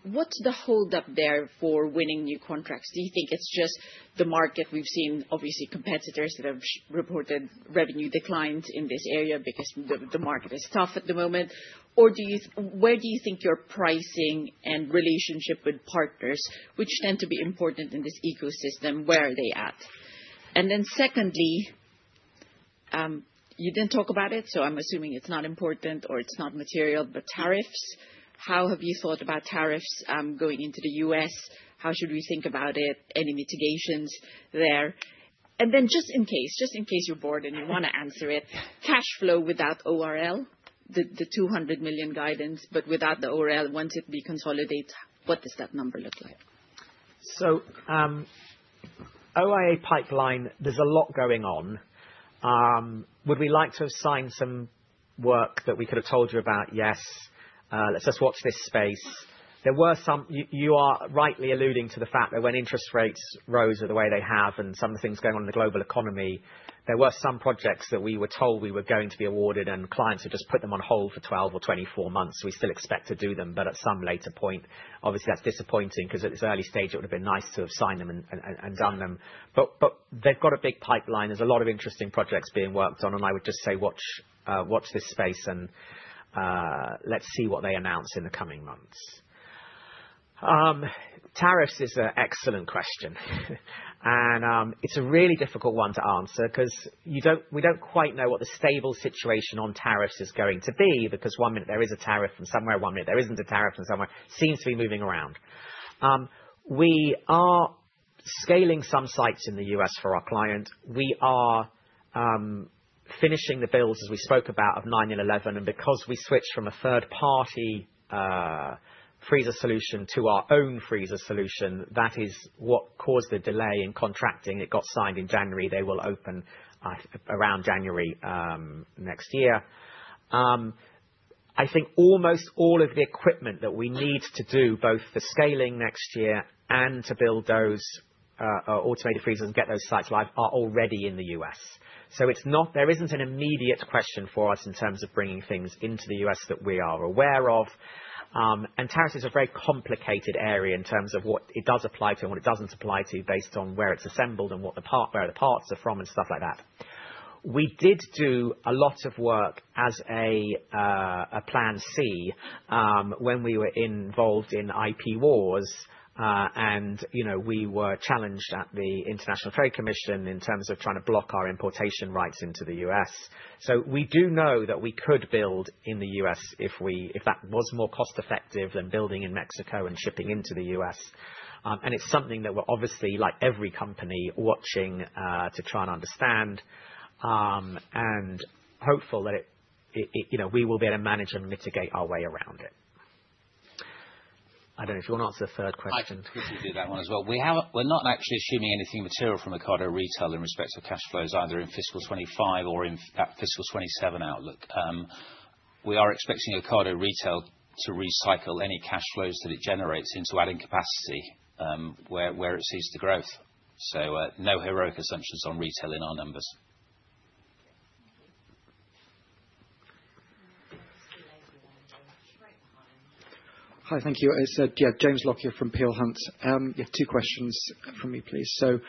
What's the hold-up there for winning new contracts? Do you think it's just the market? We've seen obviously competitors that have reported revenue declines in this area because the market is tough at the moment. Or where do you think your pricing and relationship with partners, which tend to be important in this ecosystem, where are they at? And then secondly, you didn't talk about it, so I'm assuming it's not important or it's not material, but tariffs. How have you thought about tariffs going into the U.S.? How should we think about it? Any mitigations there? And then just in case, just in case you're bored and you want to answer it, cash flow without ORL, the 200 million guidance, but without the ORL, once it's consolidated, what does that number look like? So OIA pipeline, there's a lot going on. Would we like to have signed some work that we could have told you about? Yes. Let's just watch this space. You are rightly alluding to the fact that when interest rates rose the way they have and some of the things going on in the global economy, there were some projects that we were told we were going to be awarded, and clients have just put them on hold for 12 or 24 months. We still expect to do them, but at some later point. Obviously, that's disappointing because at this early stage, it would have been nice to have signed them and done them. But they've got a big pipeline. There's a lot of interesting projects being worked on, and I would just say watch this space, and let's see what they announce in the coming months. Tariffs is an excellent question, and it's a really difficult one to answer because we don't quite know what the stable situation on tariffs is going to be because one minute there is a tariff from somewhere, one minute there isn't a tariff from somewhere. It seems to be moving around. We are scaling some sites in the U.S. for our client. We are finishing the builds, as we spoke about, of nine and 11, and because we switched from a third-party freezer solution to our own freezer solution, that is what caused the delay in contracting. It got signed in January. They will open around January next year. I think almost all of the equipment that we need to do both for scaling next year and to build those automated freezers and get those sites live are already in the U.S. So there isn't an immediate question for us in terms of bringing things into the U.S. that we are aware of, and tariffs is a very complicated area in terms of what it does apply to and what it doesn't apply to based on where it's assembled and where the parts are from and stuff like that. We did do a lot of work as a plan C when we were involved in IP wars, and we were challenged at the International Trade Commission in terms of trying to block our importation rights into the U.S. So we do know that we could build in the U.S. if that was more cost-effective than building in Mexico and shipping into the U.S. And it's something that we're obviously, like every company, watching to try and understand and hopeful that we will be able to manage and mitigate our way around it. I don't know if you want to answer the third question. I can quickly do that one as well. We're not actually assuming anything material from Ocado Retail in respect to cash flows, either in fiscal 2025 or in that fiscal 2027 outlook. We are expecting Ocado Retail to recycle any cash flows that it generates into adding capacity where it sees the growth. So no heroic assumptions on retail in our numbers. Hi, thank you. It's James Lockyer from Peel Hunt. Yeah, two questions from me, please. So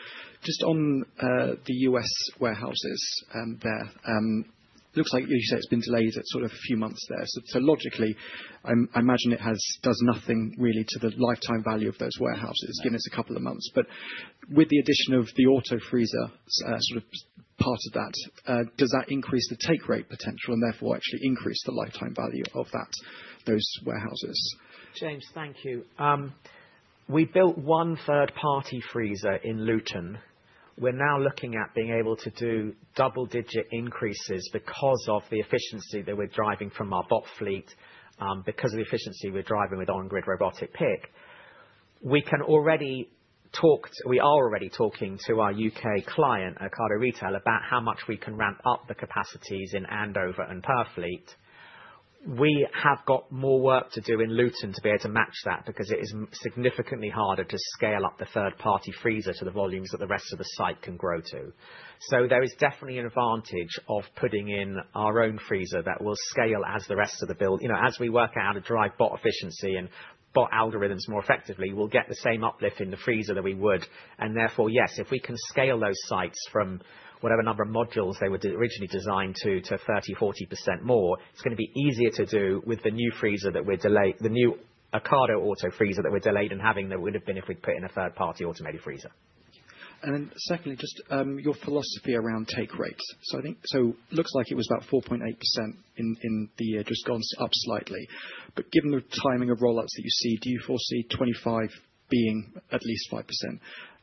just on the U.S. warehouses there, it looks like you said it's been delayed at sort of a few months there. So logically, I imagine it does nothing really to the lifetime value of those warehouses, given it's a couple of months. But with the addition of the auto freezer sort of part of that, does that increase the take rate potential and therefore actually increase the lifetime value of those warehouses? James, thank you. We built one third-party freezer in Luton. We're now looking at being able to do double-digit increases because of the efficiency that we're driving from our bot fleet, because of the efficiency we're driving with On-Grid Robotic Pick. We are already talking to our U.K. client, Ocado Retail, about how much we can ramp up the capacities in Andover and Purfleet. We have got more work to do in Luton to be able to match that because it is significantly harder to scale up the third-party freezer to the volumes that the rest of the site can grow to. So there is definitely an advantage of putting in our own freezer that will scale as the rest of the build. As we work out how to drive bot efficiency and bot algorithms more effectively, we'll get the same uplift in the freezer that we would. And therefore, yes, if we can scale those sites from whatever number of modules they were originally designed to 30%-40% more, it's going to be easier to do with the new freezer that we're delayed, the new Ocado auto freezer that we're delayed in having than it would have been if we'd put in a third-party automated freezer. Then secondly, just your philosophy around take rates. So it looks like it was about 4.8% in the year, just gone up slightly. But given the timing of rollouts that you see, do you foresee 2025 being at least 5%?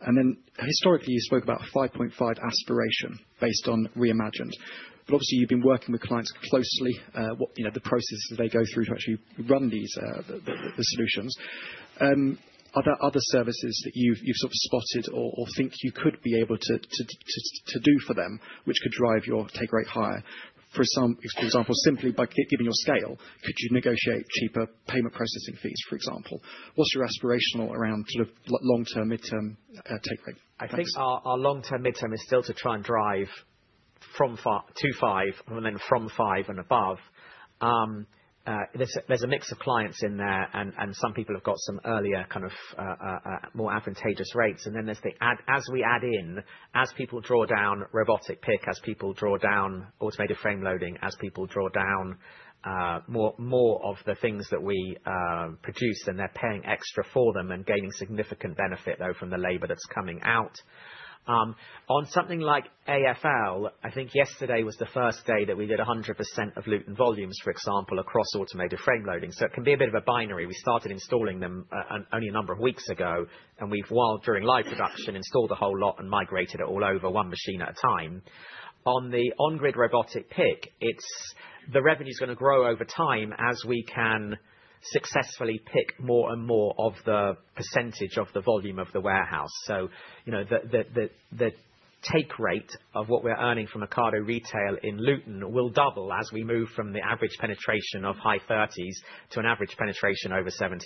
And then historically, you spoke about 5.5% aspiration based on Re:Imagined. But obviously, you've been working with clients closely, the processes they go through to actually run the solutions. Are there other services that you've sort of spotted or think you could be able to do for them which could drive your take rate higher? For example, simply by giving your scale, could you negotiate cheaper payment processing fees, for example? What's your aspirational around sort of long-term, mid-term take rate? I think our long-term, mid-term is still to try and drive from 2.5% and then from 5% and above. There's a mix of clients in there, and some people have got some earlier kind of more advantageous rates. And then there's the, as we add in, as people draw down robotic pick, as people draw down Automated Frameloading, as people draw down more of the things that we produce, and they're paying extra for them and gaining significant benefit, though, from the labor that's coming out. On something like AFL, I think yesterday was the first day that we did 100% of Luton volumes, for example, across Automated Frameloading. So it can be a bit of a binary. We started installing them only a number of weeks ago, and we've, while during live production, installed a whole lot and migrated it all over one machine at a time. On the On-Grid Robotic Pick, the revenue is going to grow over time as we can successfully pick more and more of the percentage of the volume of the warehouse. So the take rate of what we're earning from Ocado Retail in Luton will double as we move from the average penetration of high 30s to an average penetration over 70%.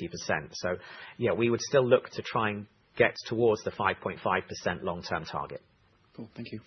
So yeah, we would still look to try and get towards the 5.5% long-term target. Cool. Thank you.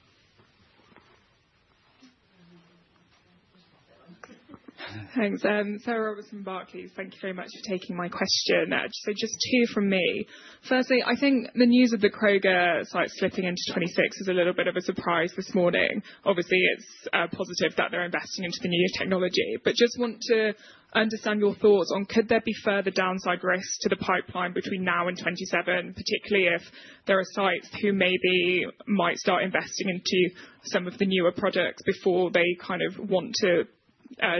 Thanks. Sarah Roberts, Barclays, thank you very much for taking my question. So just two from me. Firstly, I think the news of the Kroger sites slipping into 2026 is a little bit of a surprise this morning. Obviously, it's positive that they're investing into the new technology, but just want to understand your thoughts on could there be further downside risks to the pipeline between now and 2027, particularly if there are sites who maybe might start investing into some of the newer products before they kind of want to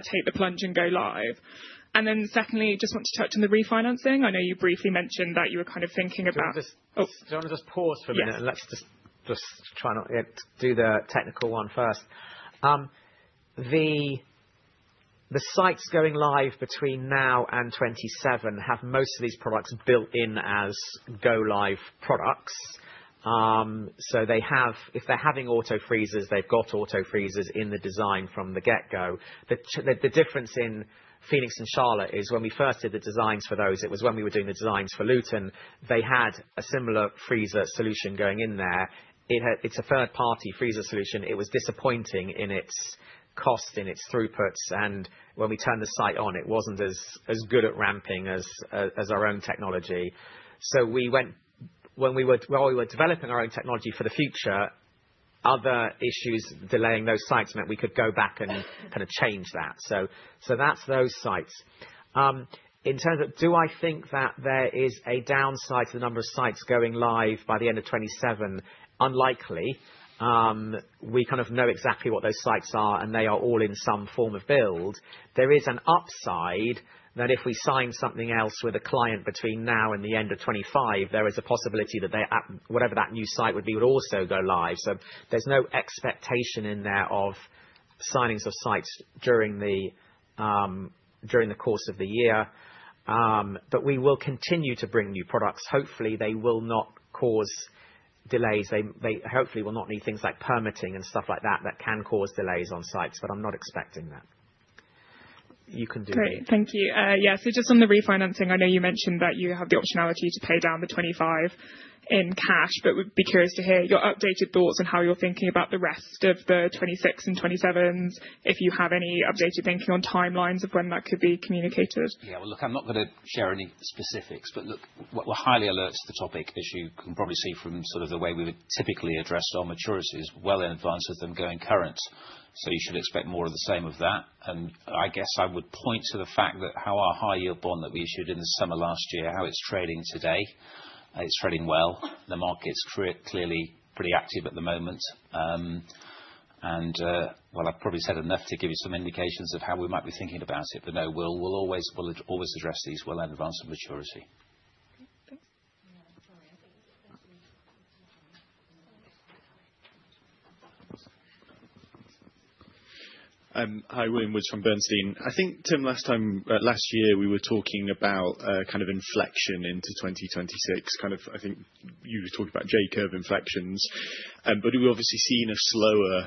take the plunge and go live, and then secondly, just want to touch on the refinancing. I know you briefly mentioned that you were kind of thinking about. Do you want to just pause for a minute and let's just try to do the technical one first? The sites going live between now and 2027 have most of these products built in as go-live products, so if they're having auto freezers, they've got auto freezers in the design from the get-go. The difference in Phoenix and Charlotte is when we first did the designs for those, it was when we were doing the designs for Luton, they had a similar freezer solution going in there. It's a third-party freezer solution. It was disappointing in its cost, in its throughputs, and when we turned the site on, it wasn't as good at ramping as our own technology. So when we were developing our own technology for the future, other issues delaying those sites meant we could go back and kind of change that. So that's those sites. In terms of do I think that there is a downside to the number of sites going live by the end of 2027? Unlikely. We kind of know exactly what those sites are, and they are all in some form of build. There is an upside that if we sign something else with a client between now and the end of 2025, there is a possibility that whatever that new site would be would also go live. So there's no expectation in there of signings of sites during the course of the year. But we will continue to bring new products. Hopefully, they will not cause delays. They hopefully will not need things like permitting and stuff like that that can cause delays on sites, but I'm not expecting that. You can do that. Great. Thank you. Yeah. So just on the refinancing, I know you mentioned that you have the optionality to pay down the 2025 in cash, but would be curious to hear your updated thoughts on how you're thinking about the rest of the 2026 and 2027s, if you have any updated thinking on timelines of when that could be communicated. Yeah. Well, look, I'm not going to share any specifics, but look, we're highly alert to the topic, as you can probably see from sort of the way we would typically address our maturities well in advance of them going current. So you should expect more of the same of that. And I guess I would point to the fact that our high yield bond that we issued in the summer last year, how it's trading today, it's trading well. The market's clearly pretty active at the moment. And well, I've probably said enough to give you some indications of how we might be thinking about it, but no, we'll always address these well in advance of maturity. Thanks. Hi, William Woods from Bernstein. I think, Tim, last year, we were talking about kind of inflection into 2026. Kind of, I think you were talking about J-curve inflections, but we've obviously seen a slower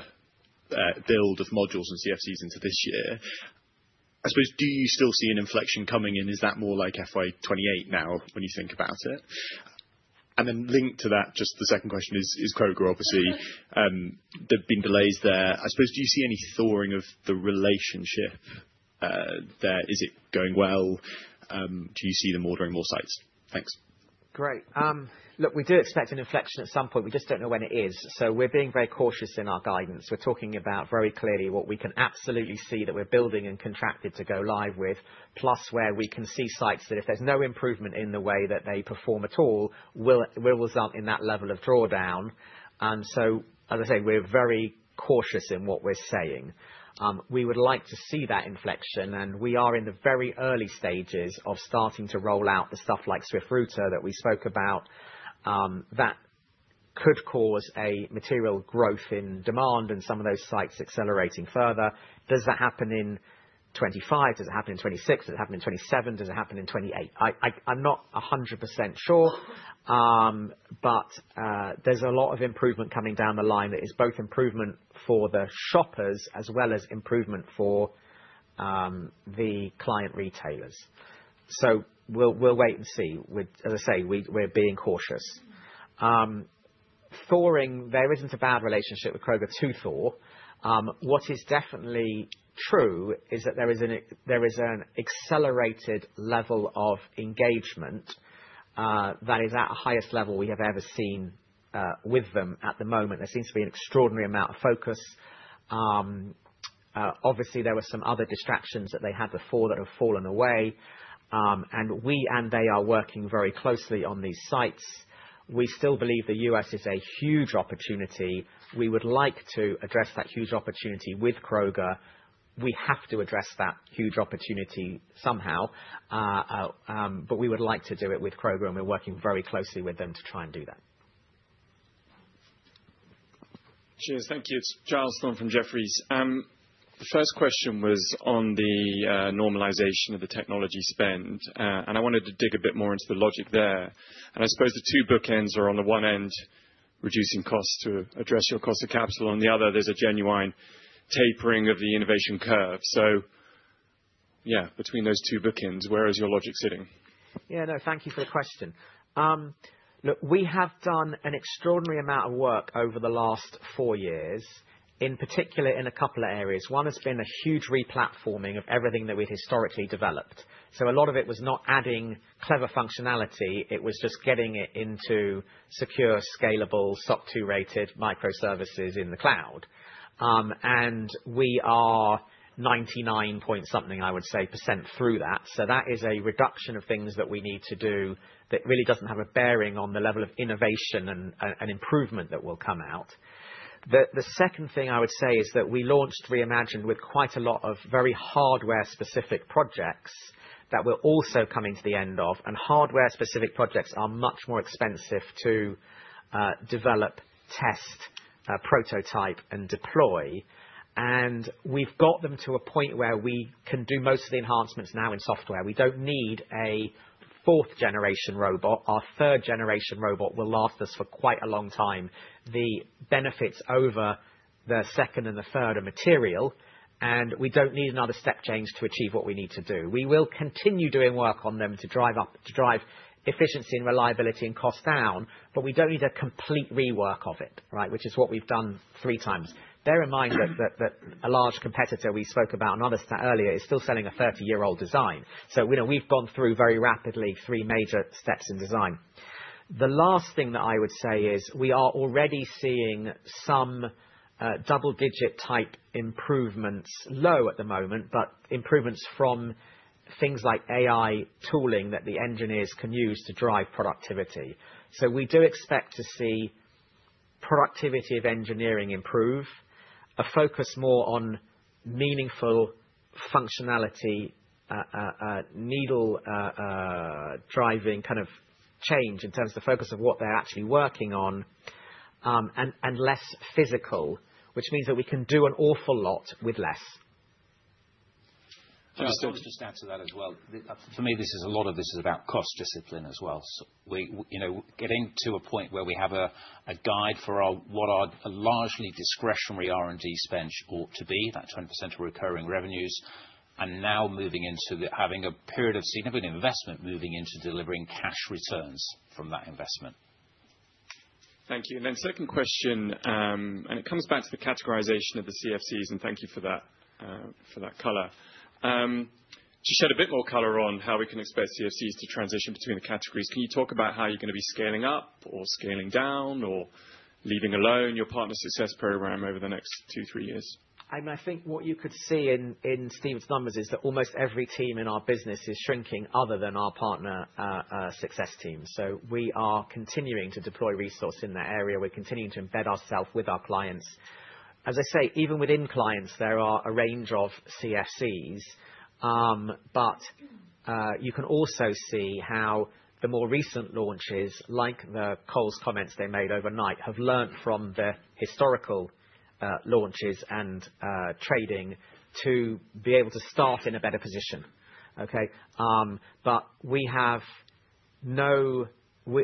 build of modules and CFCs into this year. I suppose, do you still see an inflection coming in? Is that more like FY 2028 now when you think about it? And then linked to that, just the second question is Kroger, obviously. There've been delays there. I suppose, do you see any thawing of the relationship there? Is it going well? Do you see them ordering more sites? Thanks. Great. Look, we do expect an inflection at some point. We just don't know when it is. So we're being very cautious in our guidance. We're talking about very clearly what we can absolutely see that we're building and contracted to go live with, plus where we can see sites that if there's no improvement in the way that they perform at all, we'll result in that level of drawdown. And so, as I say, we're very cautious in what we're saying. We would like to see that inflection, and we are in the very early stages of starting to roll out the stuff like Swift Router that we spoke about. That could cause a material growth in demand and some of those sites accelerating further. Does that happen in 2025? Does it happen in 2026? Does it happen in 2027? Does it happen in 2028? I'm not 100% sure, but there's a lot of improvement coming down the line that is both improvement for the shoppers as well as improvement for the client retailers. So we'll wait and see. As I say, we're being cautious. Thawing, there isn't a bad relationship with Kroger to thaw. What is definitely true is that there is an accelerated level of engagement that is at the highest level we have ever seen with them at the moment. There seems to be an extraordinary amount of focus. Obviously, there were some other distractions that they had before that have fallen away, and we and they are working very closely on these sites. We still believe the U.S. is a huge opportunity. We would like to address that huge opportunity with Kroger. We have to address that huge opportunity somehow, but we would like to do it with Kroger, and we're working very closely with them to try and do that. Cheers. Thank you. It's Giles Thorne from Jefferies. The first question was on the normalization of the technology spend, and I wanted to dig a bit more into the logic there. I suppose the two bookends are on the one end, reducing costs to address your cost of capital, and on the other, there's a genuine tapering of the innovation curve. Yeah, between those two bookends, where is your logic sitting? Yeah. No, thank you for the question. Look, we have done an extraordinary amount of work over the last four years, in particular in a couple of areas. One has been a huge replatforming of everything that we've historically developed. A lot of it was not adding clever functionality. It was just getting it into secure, scalable, SOC 2 rated microservices in the cloud. We are 99 point something percent, I would say, through that. That is a reduction of things that we need to do that really doesn't have a bearing on the level of innovation and improvement that will come out. The second thing I would say is that we launched Re:Imagined with quite a lot of very hardware-specific projects that we're also coming to the end of. Hardware-specific projects are much more expensive to develop, test, prototype, and deploy. We've got them to a point where we can do most of the enhancements now in software. We don't need a fourth-generation robot. Our third-generation robot will last us for quite a long time. The benefits over the second and the third are material, and we don't need another step change to achieve what we need to do. We will continue doing work on them to drive efficiency and reliability and cost down, but we don't need a complete rework of it, right, which is what we've done three times. Bear in mind that a large competitor we spoke about and other stuff earlier is still selling a 30-year-old design. So we've gone through very rapidly three major steps in design. The last thing that I would say is we are already seeing some double-digit type improvements low at the moment, but improvements from things like AI tooling that the engineers can use to drive productivity. So we do expect to see productivity of engineering improve, a focus more on meaningful functionality, needle-driving kind of change in terms of the focus of what they're actually working on, and less physical, which means that we can do an awful lot with less. I just want to add to that as well. For me, this is a lot about cost discipline as well. Getting to a point where we have a guide for what our largely discretionary R&D spend ought to be, that 20% of recurring revenues, and now moving into having a period of significant investment moving into delivering cash returns from that investment. Thank you. And then second question, and it comes back to the categorization of the CFCs, and thank you for that color. To shed a bit more color on how we can expect CFCs to transition between the categories, can you talk about how you're going to be scaling up or scaling down or leaving alone your partner success program over the next two, three years? I mean, I think what you could see in Stephen's numbers is that almost every team in our business is shrinking other than our partner success team. So we are continuing to deploy resource in that area. We're continuing to embed ourselves with our clients. As I say, even within clients, there are a range of CFCs, but you can also see how the more recent launches, like the Coles comments they made overnight, have learned from the historical launches and training to be able to start in a better position, okay? But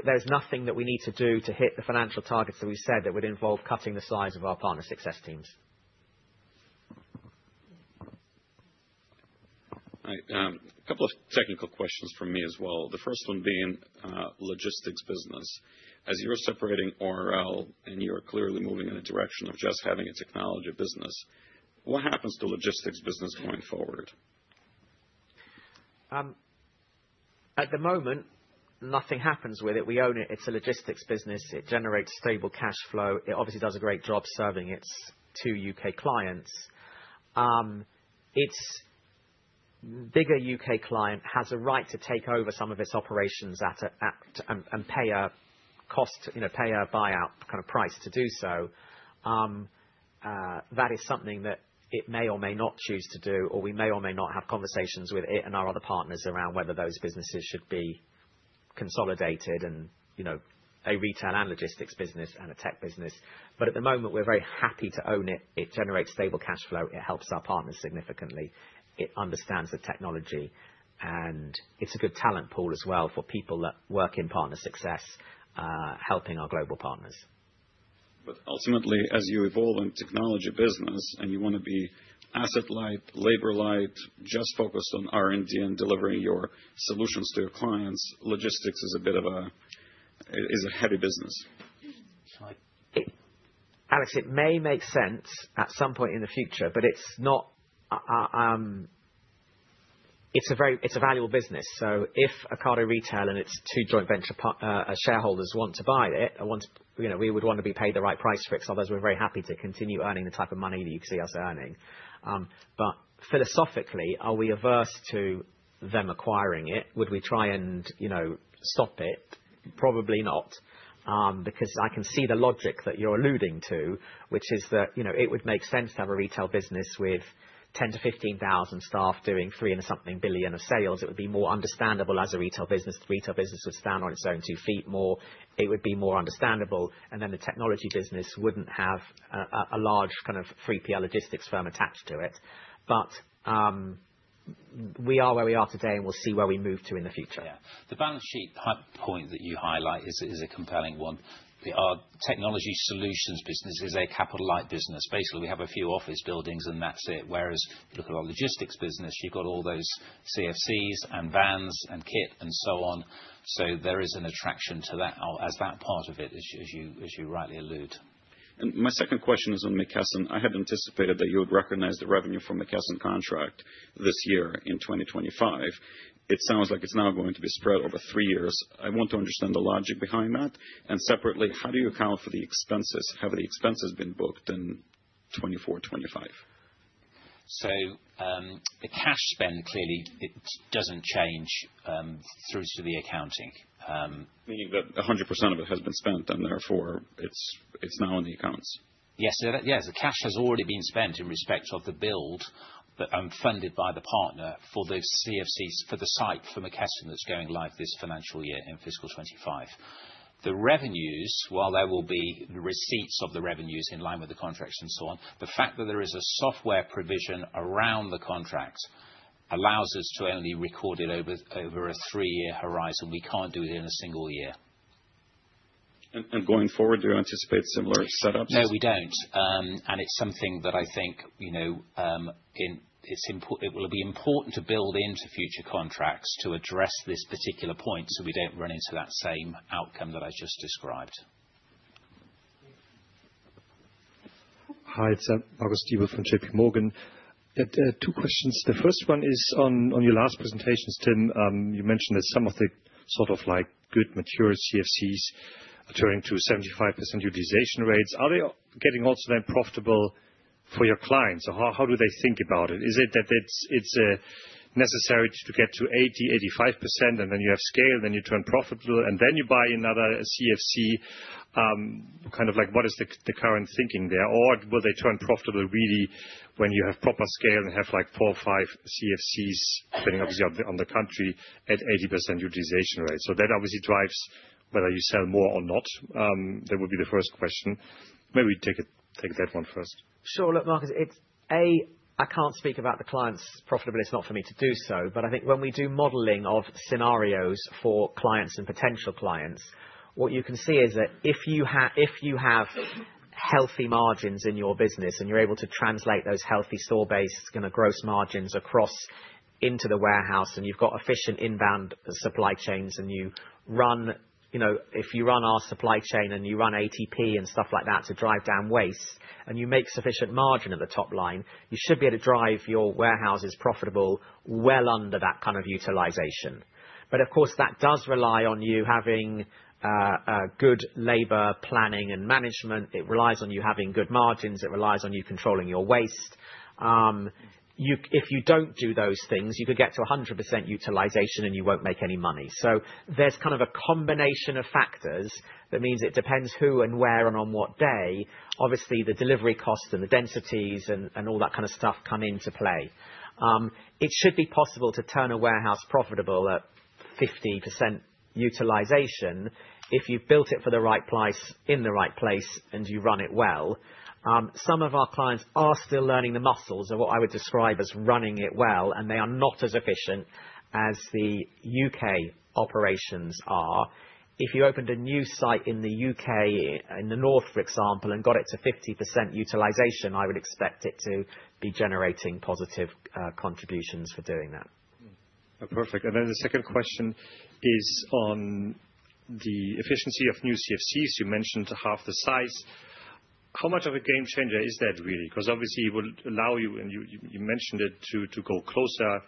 there's nothing that we need to do to hit the financial targets that we've said that would involve cutting the size of our partner success teams. All right. A couple of technical questions from me as well. The first one being logistics business. As you're separating ORL and you're clearly moving in a direction of just having a technology business, what happens to logistics business going forward? At the moment, nothing happens with it. We own it. It's a logistics business. It generates stable cash flow. It obviously does a great job serving its two U.K. clients. Its bigger U.K. client has a right to take over some of its operations and pay a cost, pay a buyout kind of price to do so. That is something that it may or may not choose to do, or we may or may not have conversations with it and our other partners around whether those businesses should be consolidated and a retail and logistics business and a tech business. But at the moment, we're very happy to own it. It generates stable cash flow. It helps our partners significantly. It understands the technology. And it's a good talent pool as well for people that work in partner success, helping our global partners. But ultimately, as you evolve in technology business and you want to be asset-light, labor-light, just focused on R&D and delivering your solutions to your clients, logistics is a bit of a heavy business. Alex, it may make sense at some point in the future, but it's a valuable business. So if Ocado Retail and its two joint venture shareholders want to buy it, we would want to be paid the right price for it because others were very happy to continue earning the type of money that you'd see us earning. But philosophically, are we averse to them acquiring it? Would we try and stop it? Probably not, because I can see the logic that you're alluding to, which is that it would make sense to have a retail business with 10 thousand-15 thousand staff doing three and something billion of sales. It would be more understandable as a retail business. The retail business would stand on its own two feet more. It would be more understandable. And then the technology business wouldn't have a large kind of 3PL logistics firm attached to it. But we are where we are today, and we'll see where we move to in the future. Yeah. The balance sheet point that you highlight is a compelling one. Our technology solutions business is a capital-light business. Basically, we have a few office buildings and that's it. Whereas if you look at our logistics business, you've got all those CFCs and vans and kit and so on. So there is an attraction to that as that part of it, as you rightly allude. And my second question is on McKesson. I had anticipated that you would recognize the revenue from McKesson contract this year in 2025. It sounds like it's now going to be spread over three years. I want to understand the logic behind that. And separately, how do you account for the expenses? Have the expenses been booked in 2024, 2025? The cash spend, clearly, it doesn't change through to the accounting. Meaning that 100% of it has been spent and therefore it's now in the accounts. Yes. Yes. The cash has already been spent in respect of the build funded by the partner for the CFCs for the site for McKesson that's going live this financial year in fiscal 2025. The revenues, while there will be receipts of the revenues in line with the contracts and so on, the fact that there is a software provision around the contract allows us to only record it over a three-year horizon. We can't do it in a single year. And going forward, do you anticipate similar setups? No, we don't. And it's something that I think it will be important to build into future contracts to address this particular point so we don't run into that same outcome that I just described. Hi, it's Marcus Diebel from JPMorgan. Two questions. The first one is on your last presentations, Tim. You mentioned that some of the sort of good mature CFCs are turning to 75% utilization rates. Are they getting also then profitable for your clients? How do they think about it? Is it that it's necessary to get to 80%-85%, and then you have scale, then you turn profitable, and then you buy another CFC? Kind of what is the current thinking there? Or will they turn profitable really when you have proper scale and have four or five CFCs depending obviously on the country at 80% utilization rate? So that obviously drives whether you sell more or not. That would be the first question. Maybe we take that one first. Sure. Look, Marcus, it's A, I can't speak about the client's profitability. It's not for me to do so. But I think when we do modeling of scenarios for clients and potential clients, what you can see is that if you have healthy margins in your business and you're able to translate those healthy store-based gross margins across into the warehouse and you've got efficient inbound supply chains and you run our supply chain and you run ATP and stuff like that to drive down waste and you make sufficient margin at the top line, you should be able to drive your warehouses profitable well under that kind of utilization. But of course, that does rely on you having good labor planning and management. It relies on you having good margins. It relies on you controlling your waste. If you don't do those things, you could get to 100% utilization and you won't make any money. So there's kind of a combination of factors. That means it depends who and where and on what day. Obviously, the delivery cost and the densities and all that kind of stuff come into play. It should be possible to turn a warehouse profitable at 50% utilization if you've built it for the right place in the right place and you run it well. Some of our clients are still learning the muscles of what I would describe as running it well, and they are not as efficient as the U.K. operations are. If you opened a new site in the U.K., in the north, for example, and got it to 50% utilization, I would expect it to be generating positive contributions for doing that. Perfect. And then the second question is on the efficiency of new CFCs. You mentioned half the size. How much of a game changer is that really? Because obviously, it will allow you, and you mentioned it, to go closer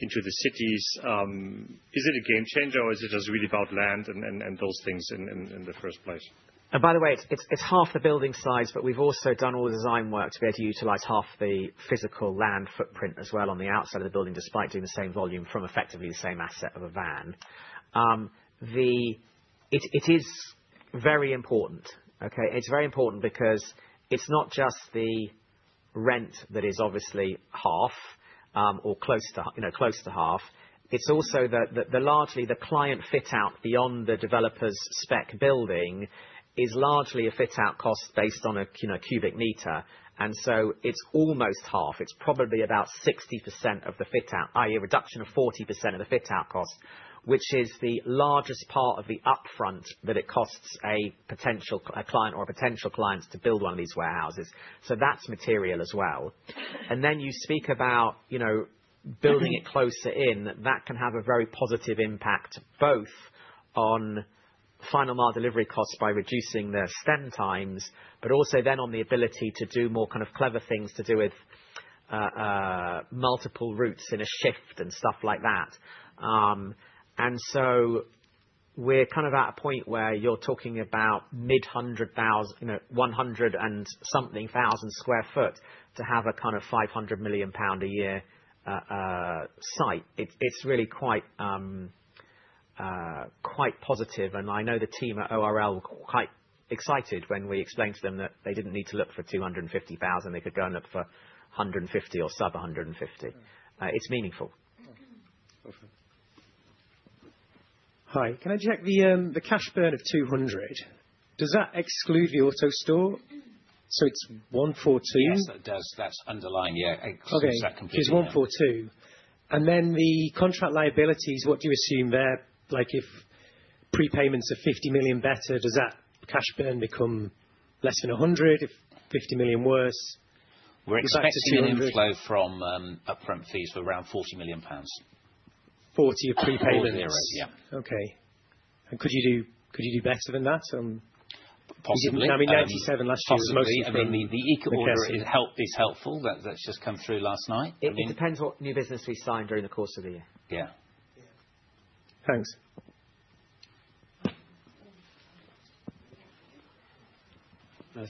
into the cities. Is it a game changer, or is it just really about land and those things in the first place? And by the way, it's half the building size, but we've also done all the design work to be able to utilize half the physical land footprint as well on the outside of the building despite doing the same volume from effectively the same asset of a van. It is very important. Okay? It's very important because it's not just the rent that is obviously half or close to half. It's also that largely the client fit-out beyond the developer's spec building is largely a fit-out cost based on a cubic meter, and so it's almost half. It's probably about 60% of the fit-out, i.e., a reduction of 40% of the fit-out cost, which is the largest part of the upfront that it costs a potential client to build one of these warehouses, so that's material as well, and then you speak about building it closer in. That can have a very positive impact both on final mile delivery costs by reducing the stem times, but also then on the ability to do more kind of clever things to do with multiple routes in a shift and stuff like that. And so we're kind of at a point where you're talking about mid-100,000, 100 and something thousand sq ft to have a kind of 500 million pound a year site. It's really quite positive, and I know the team at ORL were quite excited when we explained to them that they didn't need to look for 250,000. They could go and look for 150 or sub 150. It's meaningful. Perfect. Hi. Can I check the cash burn of 200? Does that exclude the AutoStore? So it's 142? Yes, it does. That's underlying, yeah. Excludes that completely. Okay. It's 142. And then the contract liabilities, what do you assume there? If prepayments are 50 million better, does that cash burn become less than 100 if 50 million worse? We're expecting the inflow from upfront fees for around 40 million pounds. 40 million of prepayments? GBP 40 million, yeah. Okay. And could you do better than that? Possibly. I mean, 97 last year. Possibly. The [color] is helpful. That's just come through last night. It depends what new business we sign during the course of the year. Yeah. Thanks.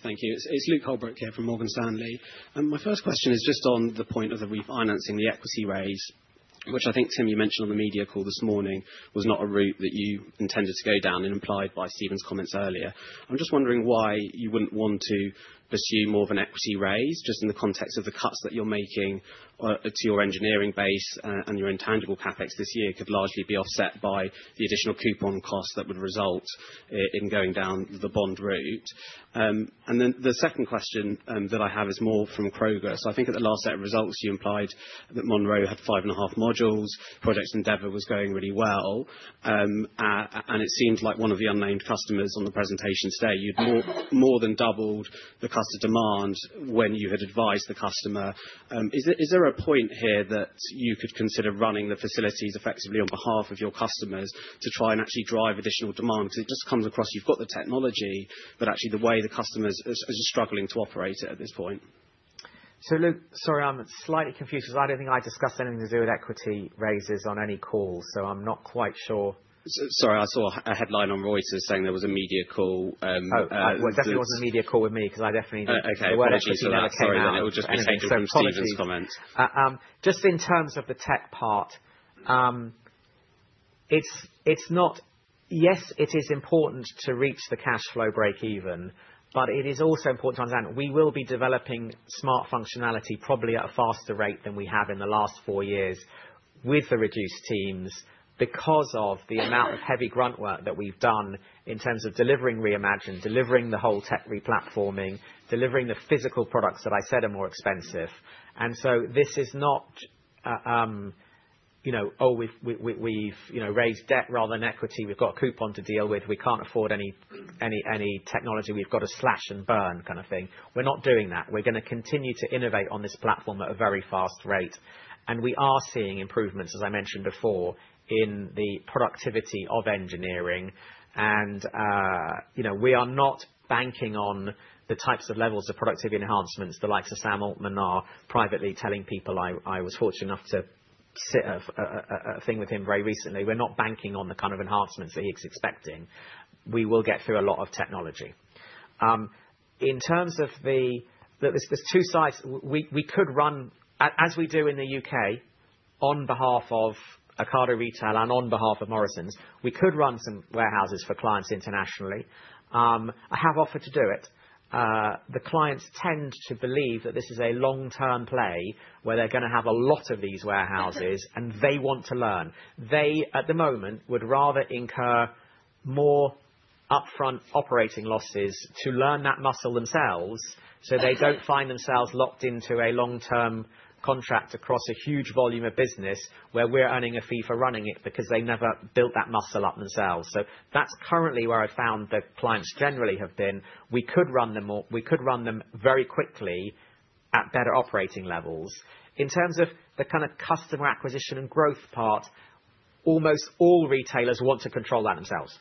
Thank you. It's Luke Holbrook here from Morgan Stanley. My first question is just on the point of the refinancing, the equity raise, which I think, Tim, you mentioned on the media call this morning was not a route that you intended to go down and implied by Stephen's comments earlier. I'm just wondering why you wouldn't want to pursue more of an equity raise just in the context of the cuts that you're making to your engineering base and your intangible CapEx this year, could largely be offset by the additional coupon costs that would result in going down the bond route. And then the second question that I have is more from Kroger. So I think at the last set of results, you implied that Monroe had five and a half modules. Project Endeavour was going really well. And it seemed like one of the unnamed customers on the presentation today, you'd more than doubled the cost of demand when you had advised the customer. Is there a point here that you could consider running the facilities effectively on behalf of your customers to try and actually drive additional demand? Because it just comes across you've got the technology, but actually the way the customers are struggling to operate it at this point. So look, sorry, I'm slightly confused because I don't think I discussed anything to do with equity raises on any call. So I'm not quite sure. Sorry, I saw a headline on Reuters saying there was a media call. Oh, definitely wasn't a media call with me because I definitely didn't know where the [headline] came from. Sorry, that will just be changing from Stephen's comment. Just in terms of the tech part, yes, it is important to reach the cash flow break even, but it is also important to understand we will be developing smart functionality probably at a faster rate than we have in the last four years with the reduced teams because of the amount of heavy grunt work that we've done in terms of delivering Re:Imagined, delivering the whole tech replatforming, delivering the physical products that I said are more expensive. And so this is not, "Oh, we've raised debt rather than equity. We've got a coupon to deal with. We can't afford any technology. We've got to slash and burn kind of thing." We're not doing that. We're going to continue to innovate on this platform at a very fast rate. And we are seeing improvements, as I mentioned before, in the productivity of engineering. And we are not banking on the types of levels of productivity enhancements the likes of Sam Altman are privately telling people. I was fortunate enough to sit a thing with him very recently. We're not banking on the kind of enhancements that he's expecting. We will get through a lot of technology. In terms of the there's two sites. We could run, as we do in the U.K., on behalf of Ocado Retail and on behalf of Morrisons, we could run some warehouses for clients internationally. I have offered to do it. The clients tend to believe that this is a long-term play where they're going to have a lot of these warehouses and they want to learn. They, at the moment, would rather incur more upfront operating losses to learn that muscle themselves so they don't find themselves locked into a long-term contract across a huge volume of business where we're earning a fee for running it because they never built that muscle up themselves. So that's currently where I've found the clients generally have been. We could run them very quickly at better operating levels. In terms of the kind of customer acquisition and growth part, almost all retailers want to control that themselves.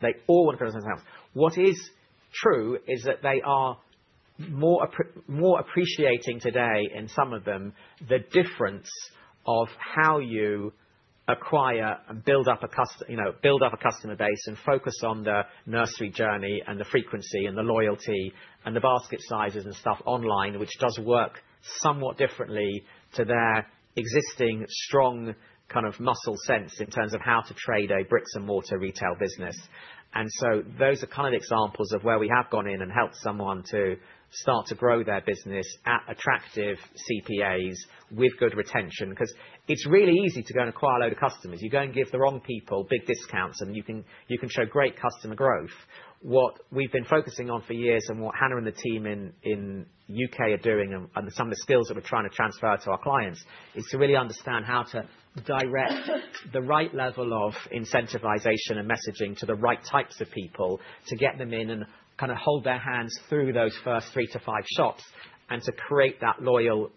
They all want to control that themselves. What is true is that they are more appreciative today, in some of them, the difference of how you acquire and build up a customer base and focus on the customer journey and the frequency and the loyalty and the basket sizes and stuff online, which does work somewhat differently to their existing strong kind of muscle memory in terms of how to trade a brick-and-mortar retail business, and so those are kind of examples of where we have gone in and helped someone to start to grow their business at attractive CPAs with good retention. Because it's really easy to go and acquire a load of customers. You go and give the wrong people big discounts and you can show great customer growth. What we've been focusing on for years and what Hannah and the team in the U.K. are doing and some of the skills that we're trying to transfer to our clients is to really understand how to direct the right level of incentivization and messaging to the right types of people to get them in and kind of hold their hands through those first three to five shops and to create that loyal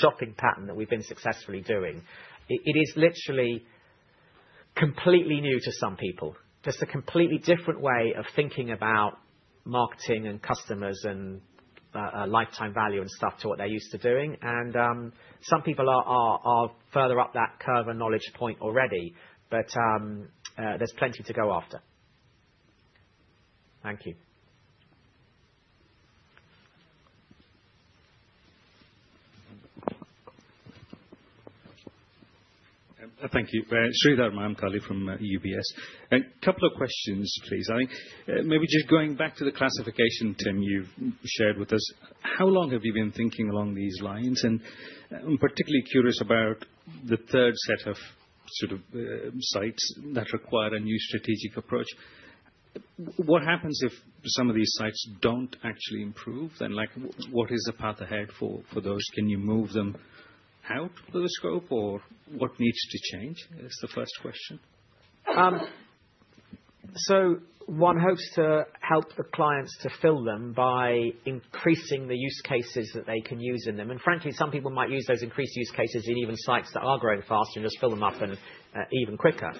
shopping pattern that we've been successfully doing. It is literally completely new to some people, just a completely different way of thinking about marketing and customers and lifetime value and stuff to what they're used to doing. And some people are further up that curve and knowledge point already, but there's plenty to go after. Thank you. Thank you. Sreedhar Mahamkali from UBS. A couple of questions, please. Maybe just going back to the classification, Tim, you've shared with us. How long have you been thinking along these lines? And I'm particularly curious about the third set of sort of sites that require a new strategic approach. What happens if some of these sites don't actually improve? And what is the path ahead for those? Can you move them out of the scope or what needs to change? That's the first question. So one hopes to help the clients to fill them by increasing the use cases that they can use in them. And frankly, some people might use those increased use cases in even sites that are growing faster and just fill them up even quicker.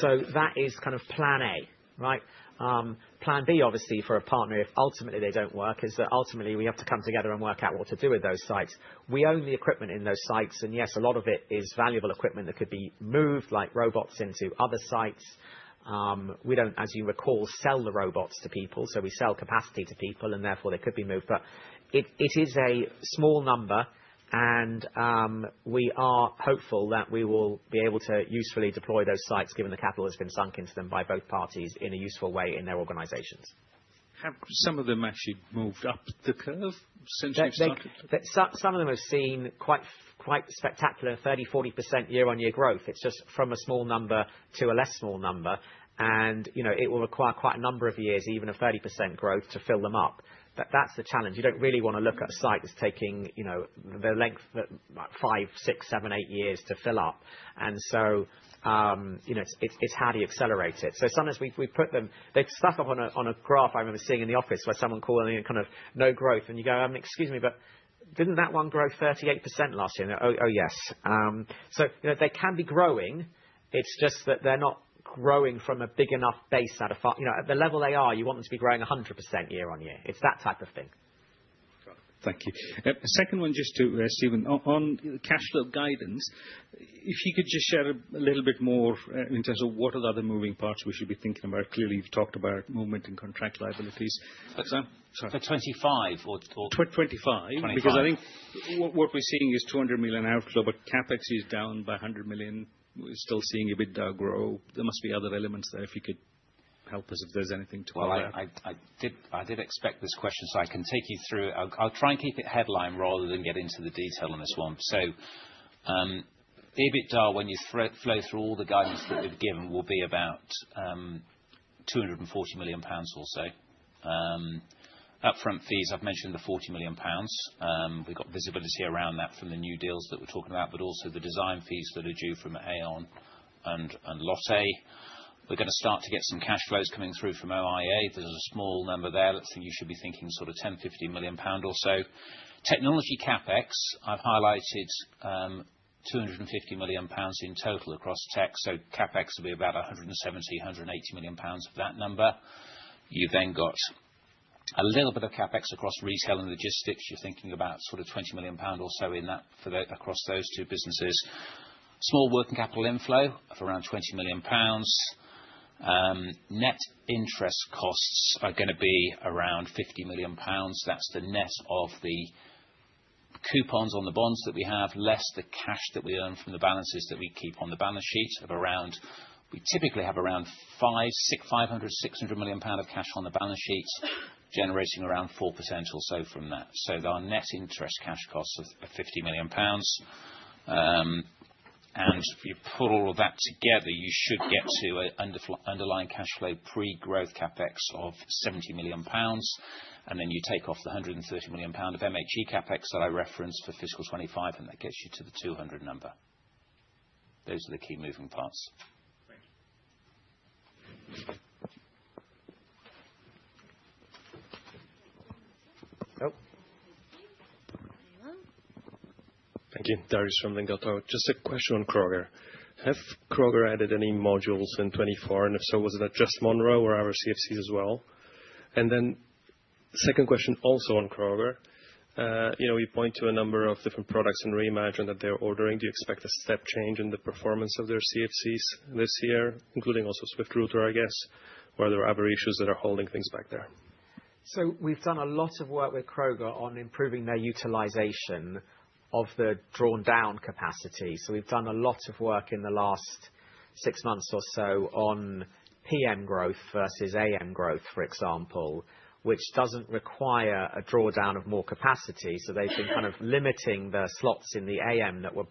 So that is kind of plan A, right? Plan B, obviously, for a partner, if ultimately they don't work, is that ultimately we have to come together and work out what to do with those sites. We own the equipment in those sites, and yes, a lot of it is valuable equipment that could be moved like robots into other sites. We don't, as you recall, sell the robots to people. So we sell capacity to people, and therefore they could be moved. But it is a small number, and we are hopeful that we will be able to usefully deploy those sites given the capital that's been sunk into them by both parties in a useful way in their organizations. Have some of them actually moved up the curve since you started? Some of them have seen quite spectacular 30%-40% year-on-year growth. It's just from a small number to a less small number. And it will require quite a number of years, even a 30% growth, to fill them up. But that's the challenge. You don't really want to look at a site that's taking the length of five, six, seven, eight years to fill up. And so it's how do you accelerate it? So sometimes we put them they've stuck up on a graph I remember seeing in the office where someone calling in kind of no growth, and you go, "Excuse me, but didn't that one grow 38% last year?" "Oh, yes." So they can be growing. It's just that they're not growing from a big enough base at a level they are. You want them to be growing 100% year-on-year. It's that type of thing. Thank you. Second one, just to Stephen, on cash flow guidance, if you could just share a little bit more in terms of what are the other moving parts we should be thinking about. Clearly, you've talked about movement and contract liabilities. For 2025 or 2025? 2025. Because I think what we're seeing is 200 million outflow, but CapEx is down by 100 million. We're still seeing EBITDA grow. There must be other elements there if you could help us if there's anything to elaborate. I did expect this question, so I can take you through. I'll try and keep it headline rather than get into the detail on this one. EBITDA, when you flow through all the guidance that we've given, will be about 240 million pounds or so. Upfront fees, I've mentioned the 40 million pounds. We've got visibility around that from the new deals that we're talking about, but also the design fees that are due from Aeon and Lotte. We're going to start to get some cash flows coming through from OIA. There's a small number there. I think you should be thinking sort of 10 million-15 million pound or so. Technology CapEx, I've highlighted 250 million pounds in total across tech. So CapEx will be about 170 million-180 million pounds for that number. You've then got a little bit of CapEx across retail and logistics. You're thinking about sort of 20 million pound or so across those two businesses. Small working capital inflow of around 20 million pounds. Net interest costs are going to be around 50 million pounds. That's the net of the coupons on the bonds that we have, less the cash that we earn from the balances that we keep on the balance sheet. We typically have around 500 million-600 million pound of cash on the balance sheets, generating around 4% or so from that. So our net interest cash costs are 50 million pounds. And if you put all of that together, you should get to an underlying cash flow pre-growth CapEx of 70 million pounds. And then you take off the 130 million pound of MHE CapEx that I referenced for fiscal 2025, and that gets you to the 200 number. Those are the key moving parts. Thank you. Thank you. Dariusz from Lingotto. Just a question on Kroger. Have Kroger added any modules in 2024? And if so, was that just Monroe or other CFCs as well? And then second question also on Kroger. You point to a number of different products and reimagine that they're ordering. Do you expect a step change in the performance of their CFCs this year, including also Swift Router, I guess, or other issues that are holding things back there? So we've done a lot of work with Kroger on improving their utilization of the drawn-down capacity. So we've done a lot of work in the last six months or so on PM growth versus AM growth, for example, which doesn't require a drawdown of more capacity. So they've been kind of limiting the slots in the AM that were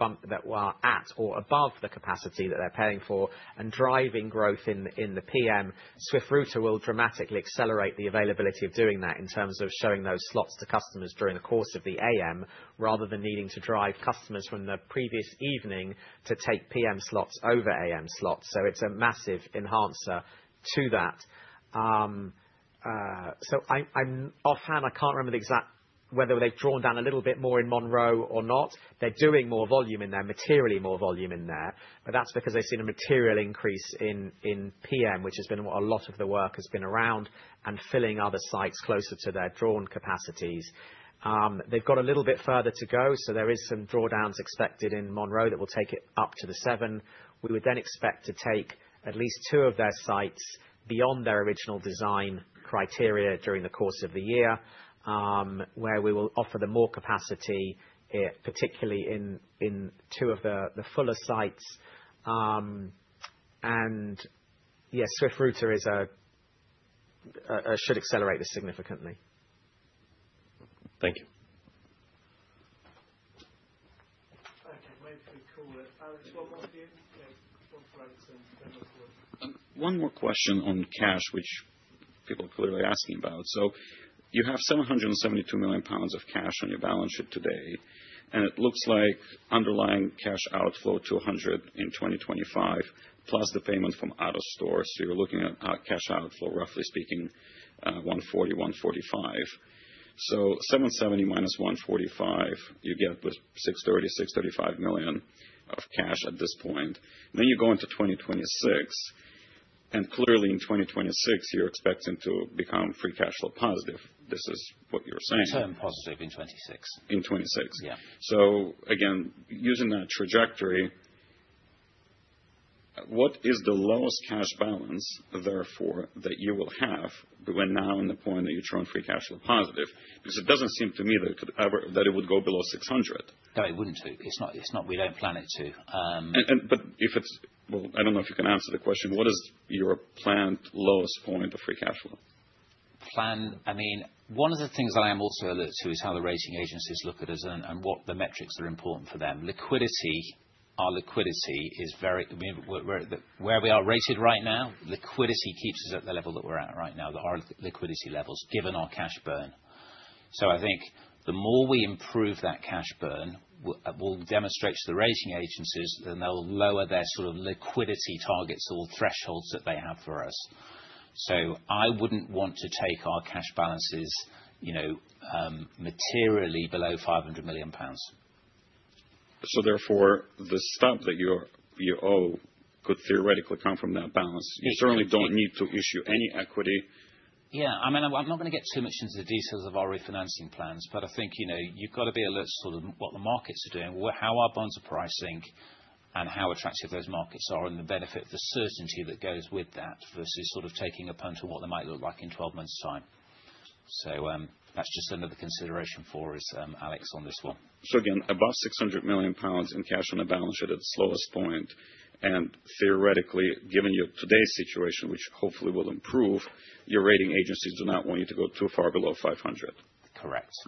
at or above the capacity that they're paying for and driving growth in the PM. Swift Router will dramatically accelerate the availability of doing that in terms of showing those slots to customers during the course of the AM rather than needing to drive customers from the previous evening to take PM slots over AM slots. So it's a massive enhancer to that. So offhand, I can't remember whether they've drawn down a little bit more in Monroe or not. They're doing more volume in there, materially more volume in there. But that's because they've seen a material increase in PM, which has been what a lot of the work has been around and filling other sites closer to their drawn capacities. They've got a little bit further to go. So there is some drawdowns expected in Monroe that will take it up to the seven. We would then expect to take at least two of their sites beyond their original design criteria during the course of the year, where we will offer them more capacity, particularly in two of the fuller sites. And yeah, Swift Router should accelerate this significantly. Thank you. Okay. Time to call it. Alex, one more for you. One for Alex and then look forward. One more question on cash, which people are clearly asking about. So you have 772 million pounds of cash on your balance sheet today. And it looks like underlying cash outflow to 100 in 2025, plus the payments from AutoStore. So you're looking at cash outflow, roughly speaking, 140 million- 145 million. So 770 million minus 145 million, you get the 630 million-635 million of cash at this point. Then you go into 2026. And clearly, in 2026, you're expecting to become free cash flow positive. This is what you're saying. Turn positive in 2026. In 2026. So again, using that trajectory, what is the lowest cash balance, therefore, that you will have when you now hit the point that you're then free cash flow positive? Because it doesn't seem to me that it would go below 600 million. No, it wouldn't do. It's not. We don't plan it to. But if it's, well, I don't know if you can answer the question. What is your planned lowest point of free cash flow? Planned. I mean, one of the things that I am also alert to is how the rating agencies look at us and what the metrics that are important for them. Our liquidity is very where we are rated right now. Liquidity keeps us at the level that we're at right now, our liquidity levels, given our cash burn. So, I think the more we improve that cash burn, we'll demonstrate to the rating agencies. Then they'll lower their sort of liquidity targets or thresholds that they have for us. So, I wouldn't want to take our cash balances materially below 500 million pounds. So therefore, the stamp duty you owe could theoretically come from that balance. You certainly don't need to issue any equity. Yeah. I mean, I'm not going to get too much into the details of our refinancing plans, but I think you've got to be alert to sort of what the markets are doing, how our bonds are pricing, and how attractive those markets are and the benefit of the certainty that goes with that versus sort of taking a punt on what they might look like in 12 months' time. So that's just another consideration for us, Alex, on this one. So again, above 600 million pounds in cash on the balance sheet at the slowest point. And theoretically, given your today's situation, which hopefully will improve, your rating agencies do not want you to go too far below 500 million. Correct.